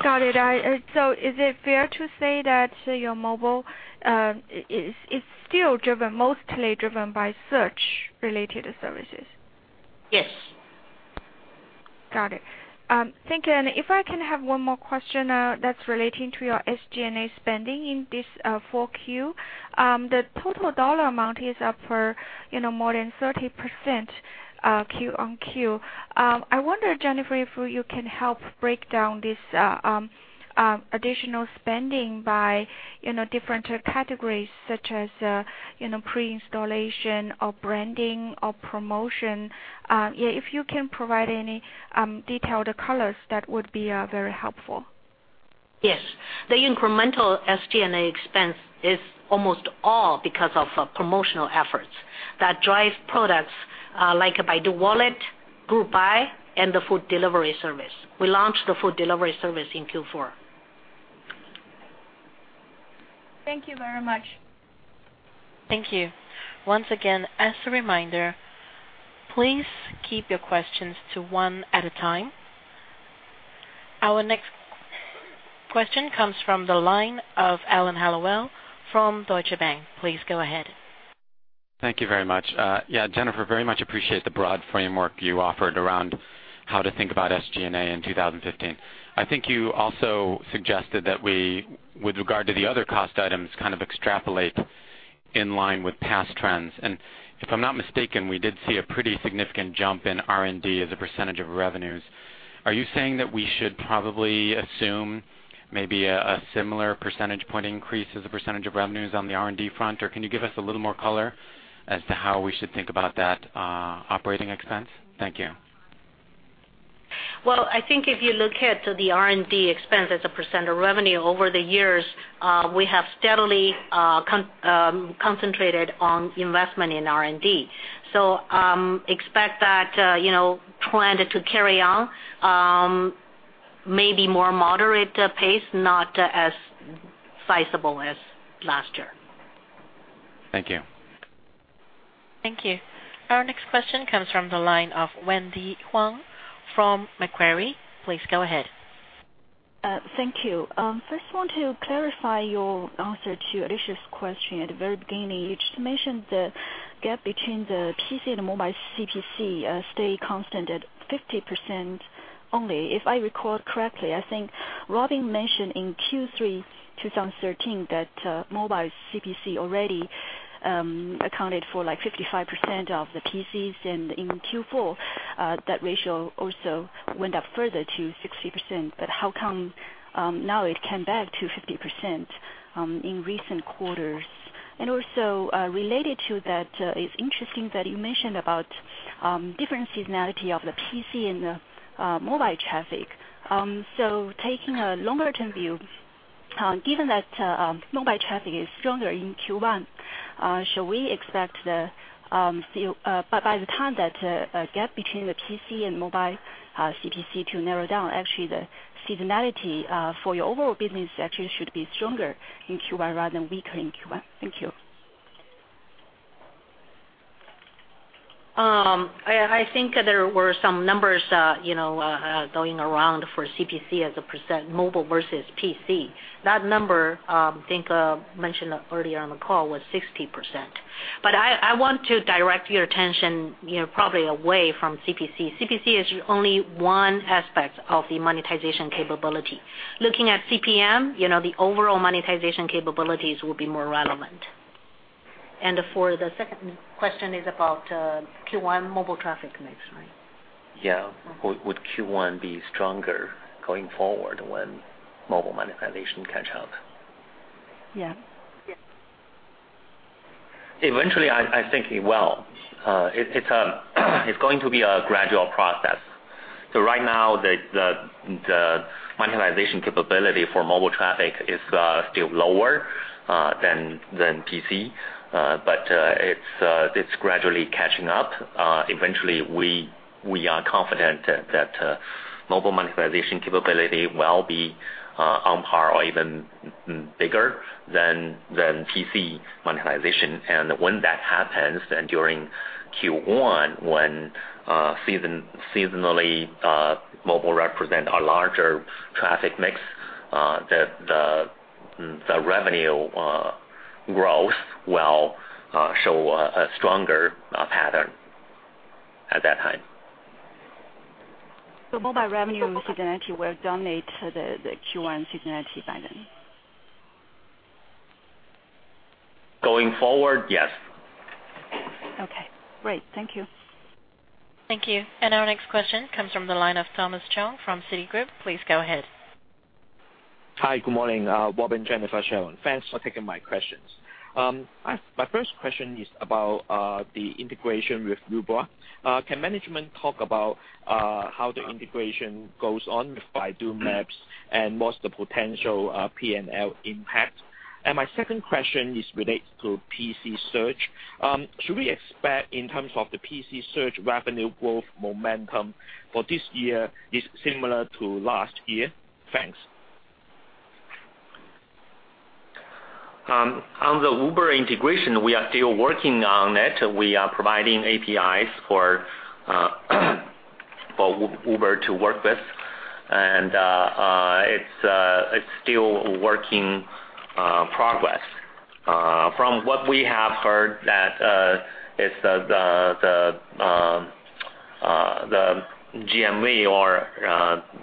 Speaker 10: Got it. Is it fair to say that your mobile is still mostly driven by search-related services?
Speaker 4: Yes.
Speaker 10: Got it. Thank you. If I can have one more question that's relating to your SG&A spending in this 4Q. The total RMB amount is up for more than 30% quarter-over-quarter. I wonder, Jennifer, if you can help break down this additional spending by different categories such as pre-installation or branding or promotion. If you can provide any detailed colors, that would be very helpful.
Speaker 4: Yes. The incremental SG&A expense is almost all because of promotional efforts that drive products, like Baidu Wallet, Group Buy, and Baidu Waimai. We launched Baidu Waimai in Q4.
Speaker 10: Thank you very much.
Speaker 1: Thank you. Once again, as a reminder, please keep your questions to one at a time. Our next question comes from the line of Alan Hellawell from Deutsche Bank. Please go ahead.
Speaker 11: Thank you very much. Yeah, Jennifer, very much appreciate the broad framework you offered around how to think about SG&A in 2015. If I'm not mistaken, we did see a pretty significant jump in R&D as a % of revenues. Are you saying that we should probably assume maybe a similar percentage point increase as a % of revenues on the R&D front, or can you give us a little more color as to how we should think about that operating expense? Thank you.
Speaker 4: Well, I think if you look at the R&D expense as a % of revenue over the years, we have steadily concentrated on investment in R&D. Expect that trend to carry on, maybe more moderate pace, not as sizable as last year.
Speaker 11: Thank you.
Speaker 1: Thank you. Our next question comes from the line of Wendy Huang from Macquarie. Please go ahead.
Speaker 12: Thank you. First want to clarify your answer to Alicia's question at the very beginning. You just mentioned the gap between the PC and the mobile CPC stay constant at 50% only. If I recall correctly, I think Robin mentioned in Q3 2013 that mobile CPC already accounted for 55% of the PCs, and in Q4, that ratio also went up further to 60%. How come now it came back to 50% in recent quarters? Also, related to that, it's interesting that you mentioned about different seasonality of the PC and the mobile traffic. Taking a longer-term view, given that mobile traffic is stronger in Q1, should we expect by the time that gap between the PC and mobile CPC to narrow down, actually, the seasonality for your overall business actually should be stronger in Q1 rather than weaker in Q1? Thank you.
Speaker 4: I think there were some numbers going around for CPC as a percent mobile versus PC. That number, I think I mentioned earlier on the call, was 60%. I want to direct your attention probably away from CPC. CPC is only one aspect of the monetization capability. Looking at CPM, the overall monetization capabilities will be more relevant. For the second question is about Q1 mobile traffic mix, right?
Speaker 12: Yeah. Would Q1 be stronger going forward when mobile monetization catch up?
Speaker 4: Yeah.
Speaker 3: Eventually, I think it will. It's going to be a gradual process. Right now, the monetization capability for mobile traffic is still lower than PC. It's gradually catching up. Eventually, we are confident that mobile monetization capability will be on par or even bigger than PC monetization. When that happens, during Q1, when seasonally mobile represent a larger traffic mix, the revenue growth will show a stronger pattern at that time.
Speaker 12: Mobile revenue seasonality will dominate the Q1 seasonality pattern?
Speaker 3: Going forward, yes.
Speaker 12: Okay, great. Thank you.
Speaker 1: Thank you. Our next question comes from the line of Thomas Chong from Citigroup. Please go ahead.
Speaker 13: Hi, good morning, Robin, Jennifer, Sharon. Thanks for taking my questions. My first question is about the integration with Uber. Can management talk about how the integration goes on with Baidu Maps and what's the potential P&L impact? My second question is related to PC search. Should we expect in terms of the PC search revenue growth momentum for this year is similar to last year? Thanks.
Speaker 3: On the Uber integration, we are still working on it. We are providing APIs for Uber to work with. It's still work in progress. From what we have heard, the GMV or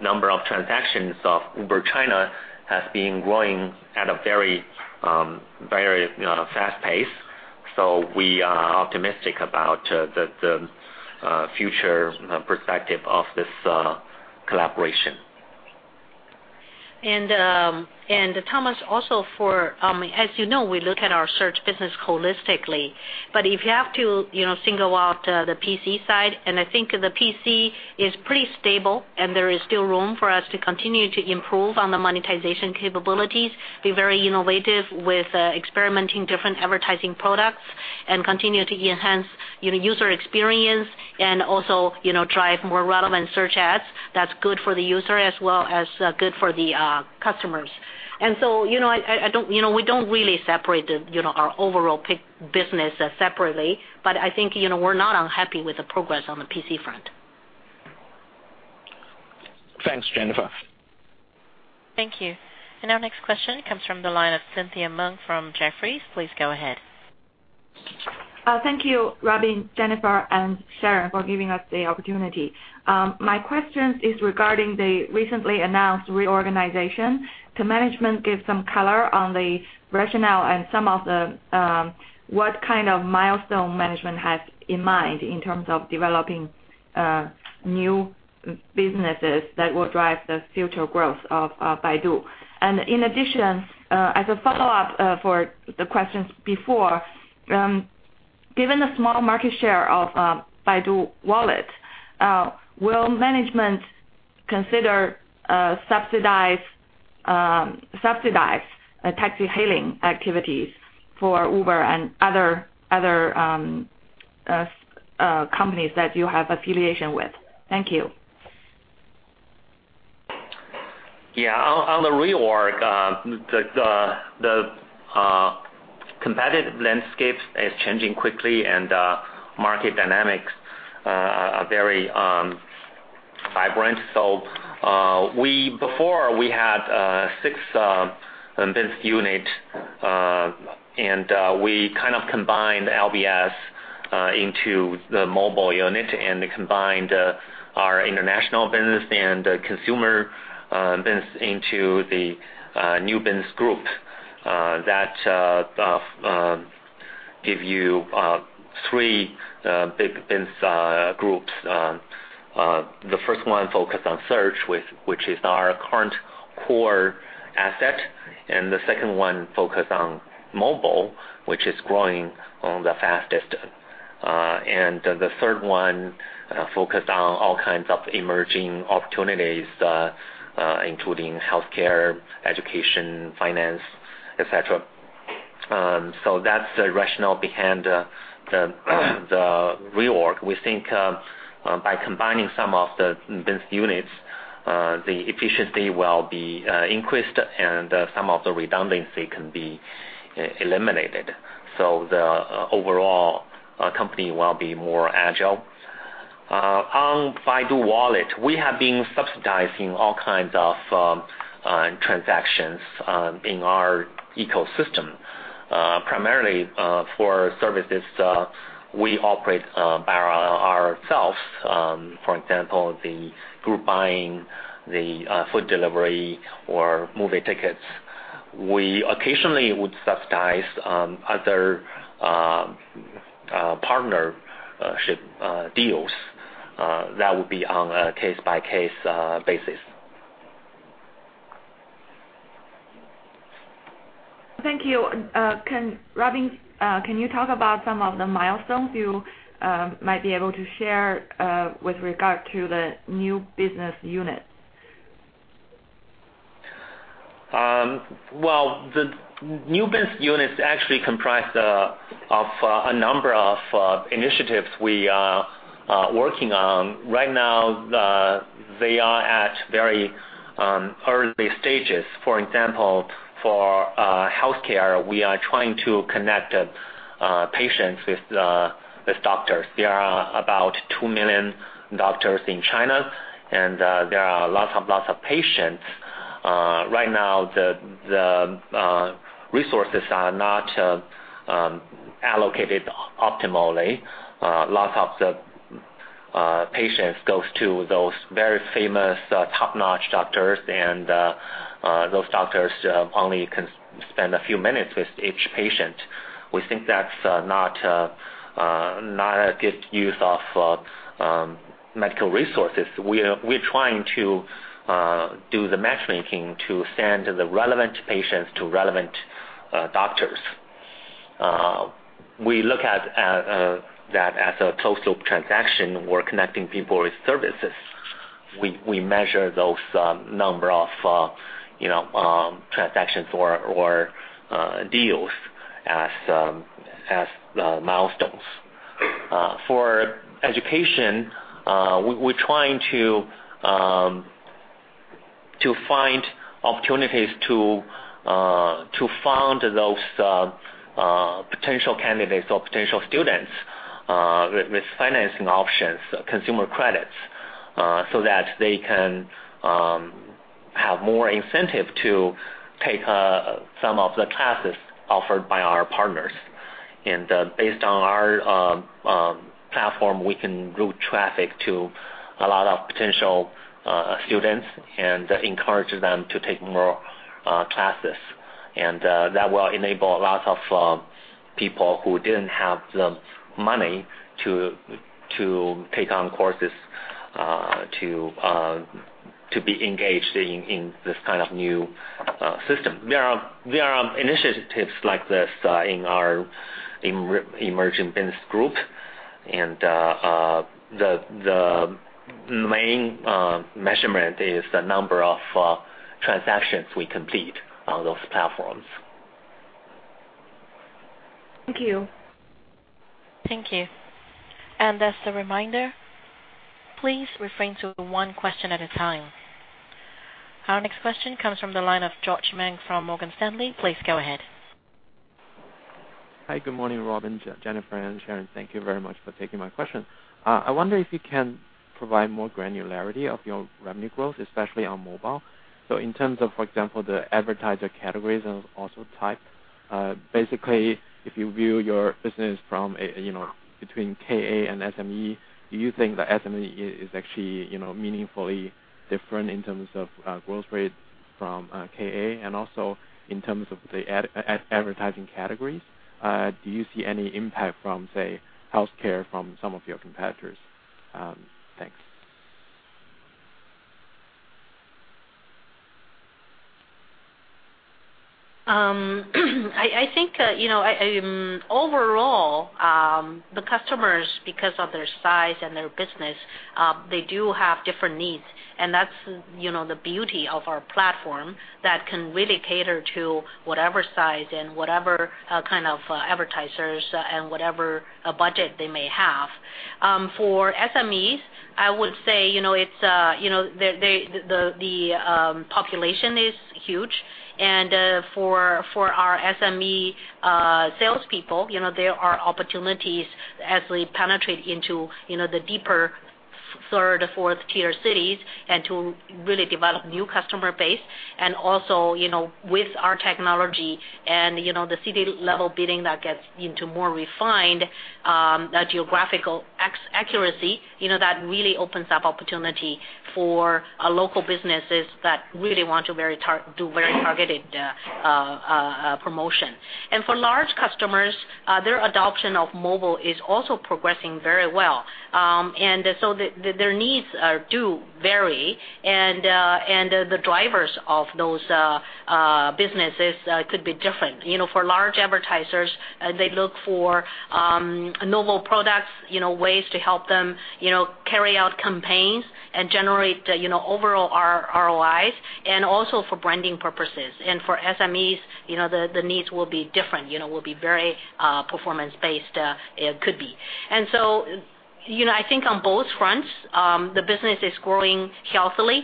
Speaker 3: number of transactions of Uber China has been growing at a very fast pace. We are optimistic about the future perspective of this collaboration.
Speaker 4: Thomas, as you know, we look at our search business holistically. If you have to single out the PC side, and I think the PC is pretty stable, and there is still room for us to continue to improve on the monetization capabilities, be very innovative with experimenting different advertising products, and continue to enhance user experience and also drive more relevant search ads that's good for the user as well as good for the customers. We don't really separate our overall business separately, but I think we're not unhappy with the progress on the PC front.
Speaker 13: Thanks, Jennifer.
Speaker 1: Thank you. Our next question comes from the line of Cynthia Meng from Jefferies. Please go ahead.
Speaker 14: Thank you, Robin, Jennifer, and Sharon for giving us the opportunity. My question is regarding the recently announced reorganization. Can management give some color on the rationale and what kind of milestone management has in mind in terms of developing new businesses that will drive the future growth of Baidu? In addition, as a follow-up for the questions before, given the small market share of Baidu Wallet, will management consider subsidize taxi hailing activities for Uber and other companies that you have affiliation with? Thank you.
Speaker 3: On the reorg, the competitive landscape is changing quickly. Market dynamics are very vibrant. Before, we had six business units. We kind of combined LBS into the mobile unit and combined our international business and consumer business into the new business group. That give you three big business groups. The first one focus on search, which is our current core asset. The second one focus on mobile, which is growing the fastest. The third one focus on all kinds of emerging opportunities, including healthcare, education, finance, et cetera. That's the rationale behind the reorg. We think by combining some of the business units, the efficiency will be increased. Some of the redundancy can be eliminated. The overall company will be more agile. On Baidu Wallet, we have been subsidizing all kinds of transactions in our ecosystem primarily for services we operate by ourselves. For example, the Group Buy, the Baidu Waimai, or movie tickets. We occasionally would subsidize other partnership deals that would be on a case-by-case basis.
Speaker 14: Thank you. Robin, can you talk about some of the milestones you might be able to share with regard to the new business units?
Speaker 3: Well, the new business units actually comprise of a number of initiatives we are working on. Right now, they are at very early stages. For example, for healthcare, we are trying to connect patients with doctors. There are about two million doctors in China. There are lots of patients. Right now, the resources are not allocated optimally. Lots of the patients go to those very famous top-notch doctors. Those doctors only can spend a few minutes with each patient. We think that's not a good use of medical resources. We're trying to do the matchmaking to send the relevant patients to relevant doctors. We look at that as a closed-loop transaction. We're connecting people with services. We measure those number of transactions or deals as milestones. For education, we're trying to find opportunities to fund those potential candidates or potential students with financing options, consumer credits, so that they can have more incentive to take some of the classes offered by our partners. Based on our platform, we can route traffic to a lot of potential students and encourage them to take more classes. That will enable lots of people who didn't have the money to take on courses to be engaged in this kind of new system. There are initiatives like this in our emerging business group, and the main measurement is the number of transactions we complete on those platforms.
Speaker 14: Thank you.
Speaker 1: Thank you. As a reminder, please refrain to one question at a time. Our next question comes from the line of George Meng from Morgan Stanley. Please go ahead.
Speaker 15: Hi, good morning, Robin, Jennifer, and Sharon. Thank you very much for taking my question. I wonder if you can provide more granularity of your revenue growth, especially on mobile. In terms of, for example, the advertiser categories and also type, basically, if you view your business between KA and SME, do you think the SME is actually meaningfully different in terms of growth rate from KA? Also, in terms of the advertising categories, do you see any impact from, say, healthcare from some of your competitors? Thanks.
Speaker 3: I think, overall, the customers, because of their size and their business, they do have different needs. That's the beauty of our platform that can really cater to whatever size and whatever kind of advertisers and whatever budget they may have. For SMEs, I would say, the population is huge. For our SME salespeople, there are opportunities as we penetrate into the deeper 3rd-tier, 4th-tier cities and to really develop new customer base. Also with our technology and the city-level bidding that gets into more refined geographical accuracy, that really opens up opportunity for local businesses that really want to do very targeted promotion. For large customers, their adoption of mobile is also progressing very well. Their needs do vary, and the drivers of those businesses could be different. For large advertisers, they look for novel products, ways to help them carry out campaigns and generate overall ROIs, and also for branding purposes. For SMEs, the needs will be different, will be very performance-based, could be. I think on both fronts, the business is growing healthily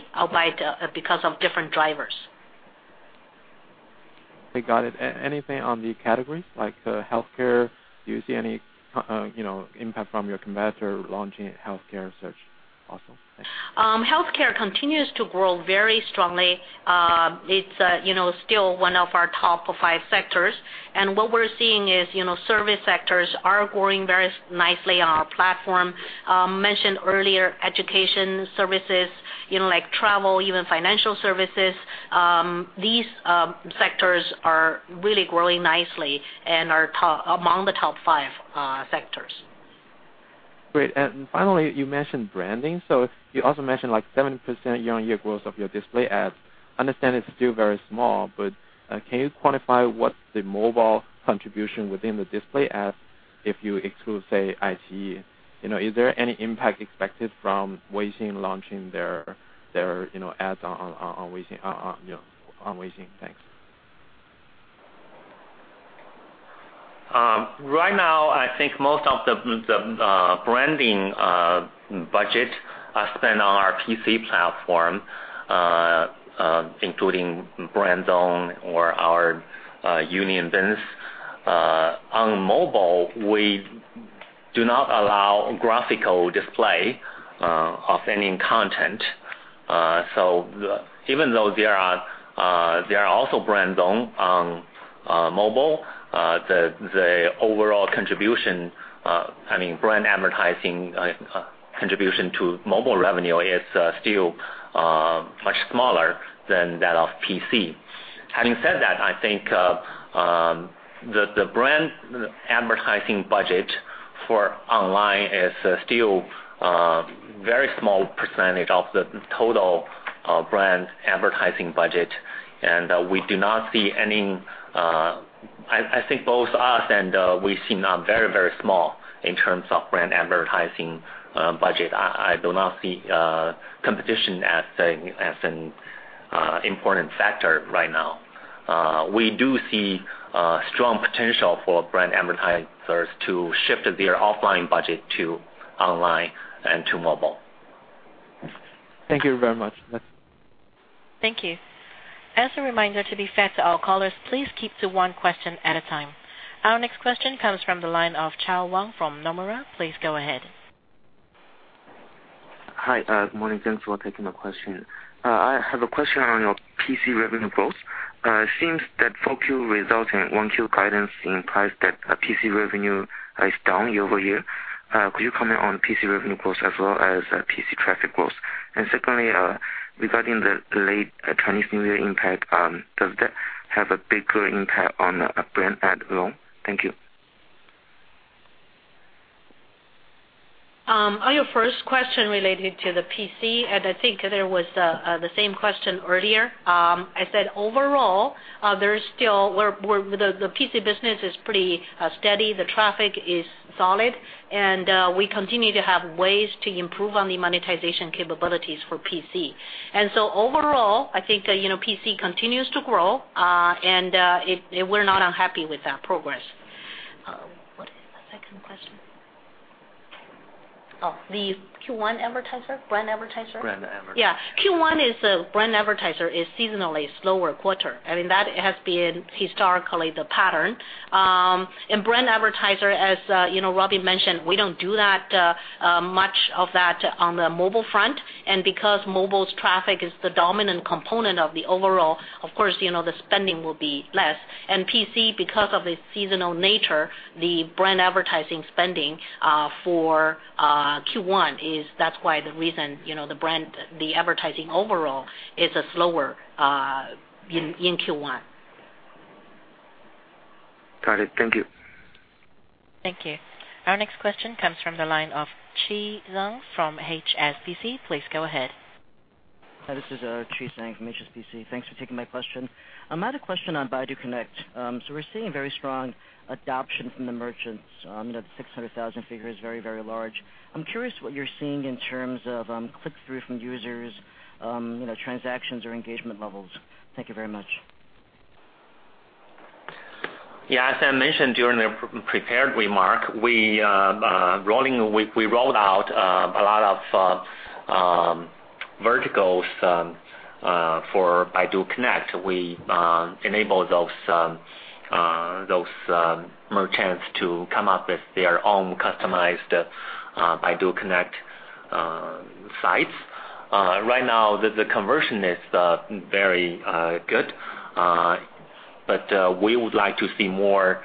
Speaker 3: because of different drivers.
Speaker 15: Okay, got it. Anything on the categories, like healthcare? Do you see any impact from your competitor launching a healthcare search also? Thanks.
Speaker 3: Healthcare continues to grow very strongly. It's still one of our top five sectors. What we're seeing is service sectors are growing very nicely on our platform. Mentioned earlier, education services like travel, even financial services, these sectors are really growing nicely and are among the top five sectors.
Speaker 15: Great. Finally, you mentioned branding. You also mentioned 70% year-over-year growth of your display ads. I understand it is still very small, but can you quantify what the mobile contribution within the display ads, if you exclude, say, iQIYI? Is there any impact expected from Weixin launching their ads on Weixin? Thanks.
Speaker 3: Right now, I think most of the branding budget are spent on our PC platform, including Brand Zone or our Baidu Union. On mobile, we do not allow graphical display of any content. Even though there are also Brand Zone on mobile, the overall brand advertising contribution to mobile revenue is still much smaller than that of PC. Having said that, I think the brand advertising budget for online is still a very small percentage of the total brand advertising budget. I think both us and Weixin are very, very small in terms of brand advertising budget. I do not see competition as an important factor right now. We do see strong potential for brand advertisers to shift their offline budget to online and to mobile.
Speaker 15: Thank you very much.
Speaker 1: Thank you. As a reminder, to be fair to all callers, please keep to one question at a time. Our next question comes from the line of Chao Wang from Nomura. Please go ahead.
Speaker 16: Hi. Morning. Thanks for taking the question. I have a question on your PC revenue growth. It seems that 4Q results and 1Q guidance implies that PC revenue is down year-over-year. Could you comment on PC revenue growth as well as PC traffic growth? Secondly, regarding the late Chinese New Year impact, does that have a bigger impact on a brand ad alone? Thank you.
Speaker 4: On your first question related to the PC, I think there was the same question earlier. I said overall, the PC business is pretty steady, the traffic is solid, and we continue to have ways to improve on the monetization capabilities for PC. Overall, I think PC continues to grow, and we're not unhappy with that progress. What was the second question? Oh, the Q1 brand advertiser?
Speaker 3: Brand advertiser.
Speaker 4: Yeah. Q1 brand advertiser is seasonally a slower quarter. That has been historically the pattern. Brand advertiser, as Robin mentioned, we don't do much of that on the mobile front. Because mobile's traffic is the dominant component of the overall, of course, the spending will be less. PC, because of its seasonal nature, the brand advertising spending for Q1 is the reason the advertising overall is slower in Q1.
Speaker 16: Got it. Thank you.
Speaker 1: Thank you. Our next question comes from the line of Chi Tsang from HSBC. Please go ahead.
Speaker 17: Hi, this is Chi Tsang from HSBC. Thanks for taking my question. I had a question on Baidu CarLife. We're seeing very strong adoption from the merchants. The 600,000 figure is very, very large. I'm curious what you're seeing in terms of click-through from users, transactions or engagement levels. Thank you very much.
Speaker 3: Yeah, as I mentioned during the prepared remark, we rolled out a lot of verticals for Baidu CarLife. We enabled those merchants to come up with their own customized Baidu CarLife sites. Right now, the conversion is very good, we would like to see more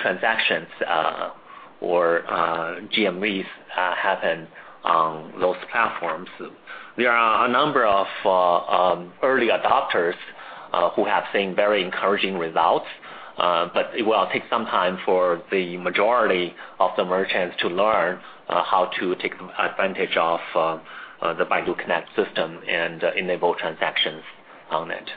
Speaker 3: transactions or GMVs happen on those platforms. There are a number of early adopters who have seen very encouraging results, it will take some time for the majority of the merchants to learn how to take advantage of the Baidu CarLife system and enable transactions on it.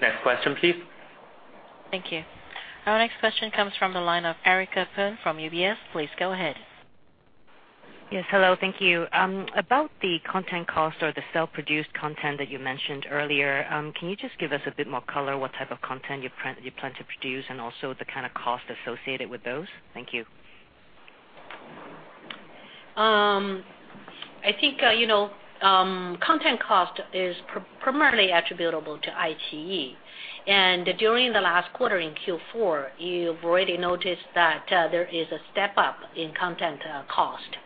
Speaker 3: Next question, please.
Speaker 1: Thank you. Our next question comes from the line of Erica Poon from UBS. Please go ahead.
Speaker 18: Yes. Hello, thank you. About the content cost or the self-produced content that you mentioned earlier, can you just give us a bit more color, what type of content you plan to produce, and also the kind of cost associated with those? Thank you.
Speaker 4: I think content cost is primarily attributable to iQIYI. During the last quarter in Q4, you've already noticed that there is a step up in content cost.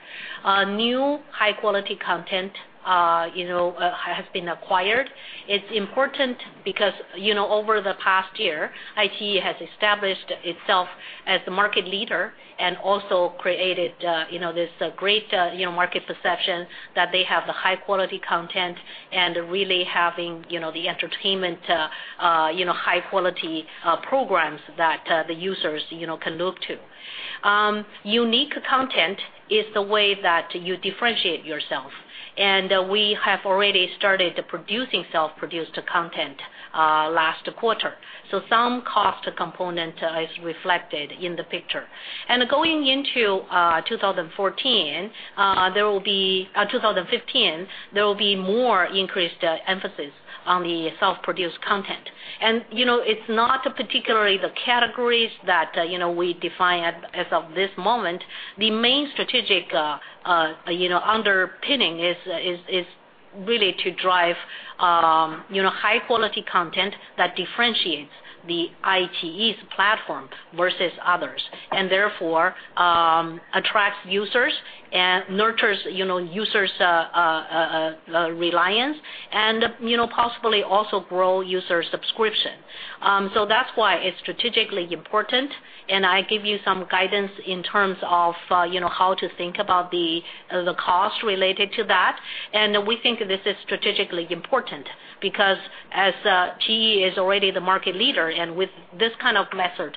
Speaker 4: New high-quality content has been acquired. It's important because over the past year, iQIYI has established itself as the market leader and also created this great market perception that they have the high-quality content and really having the entertainment high-quality programs that the users can look to. Unique content is the way that you differentiate yourself. We have already started producing self-produced content last quarter. Some cost component is reflected in the picture. Going into 2015, there will be more increased emphasis on the self-produced content. It's not particularly the categories that we define as of this moment. The main strategic underpinning is really to drive high-quality content that differentiates the iQIYI's platform versus others, and therefore attracts users and nurtures users' reliance and possibly also grow user subscription. That's why it's strategically important, and I give you some guidance in terms of how to think about the cost related to that. We think this is strategically important because as iQIYI is already the market leader, and with this kind of method,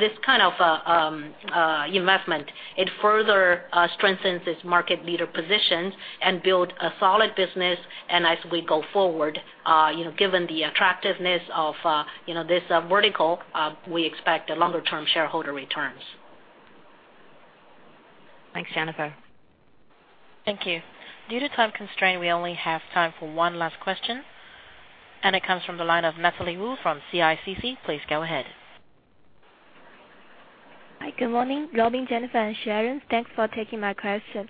Speaker 4: this kind of investment, it further strengthens its market leader position and build a solid business. As we go forward, given the attractiveness of this vertical, we expect longer-term shareholder returns.
Speaker 18: Thanks, Jennifer.
Speaker 1: Thank you. Due to time constraint, we only have time for one last question, and it comes from the line of Natalie Wu from CICC. Please go ahead.
Speaker 19: Hi. Good morning, Robin, Jennifer, and Sharon. Thanks for taking my question.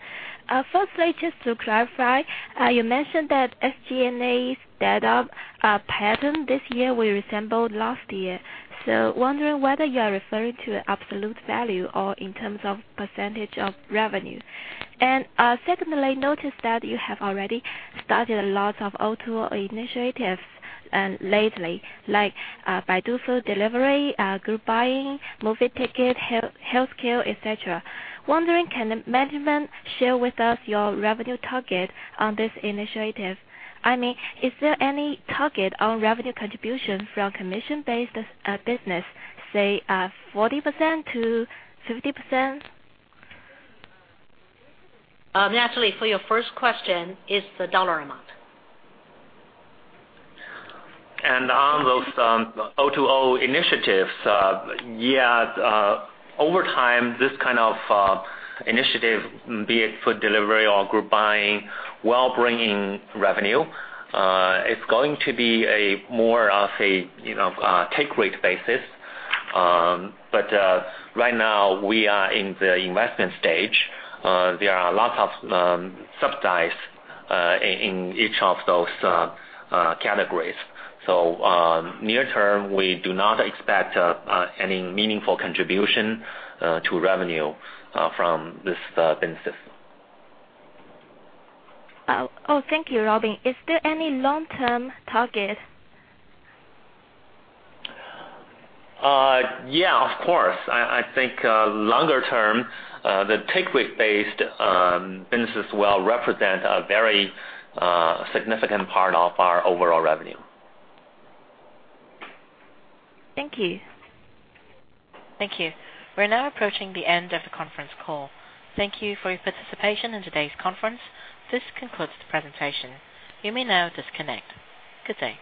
Speaker 19: Firstly, just to clarify, you mentioned that SG&A setup pattern this year will resemble last year. Wondering whether you are referring to absolute value or in terms of percentage of revenue. Secondly, noticed that you have already started a lot of O2O initiatives lately, like Baidu Waimai, Group Buy, movie ticket, healthcare, et cetera. Wondering, can management share with us your revenue target on this initiative? Is there any target on revenue contribution from commission-based business, say, 40%-50%?
Speaker 4: Natalie, for your first question, it's the dollar amount.
Speaker 3: On those O2O initiatives, over time, this kind of initiative, be it food delivery or group buying, while bringing revenue, it's going to be a more of a take rate basis. Right now, we are in the investment stage. There are lots of subsidies in each of those categories. Near term, we do not expect any meaningful contribution to revenue from this business.
Speaker 19: Thank you, Robin. Is there any long-term target?
Speaker 3: Of course. I think longer term, the take rate-based businesses will represent a very significant part of our overall revenue.
Speaker 19: Thank you.
Speaker 1: Thank you. We're now approaching the end of the conference call. Thank you for your participation in today's conference. This concludes the presentation. You may now disconnect. Good day.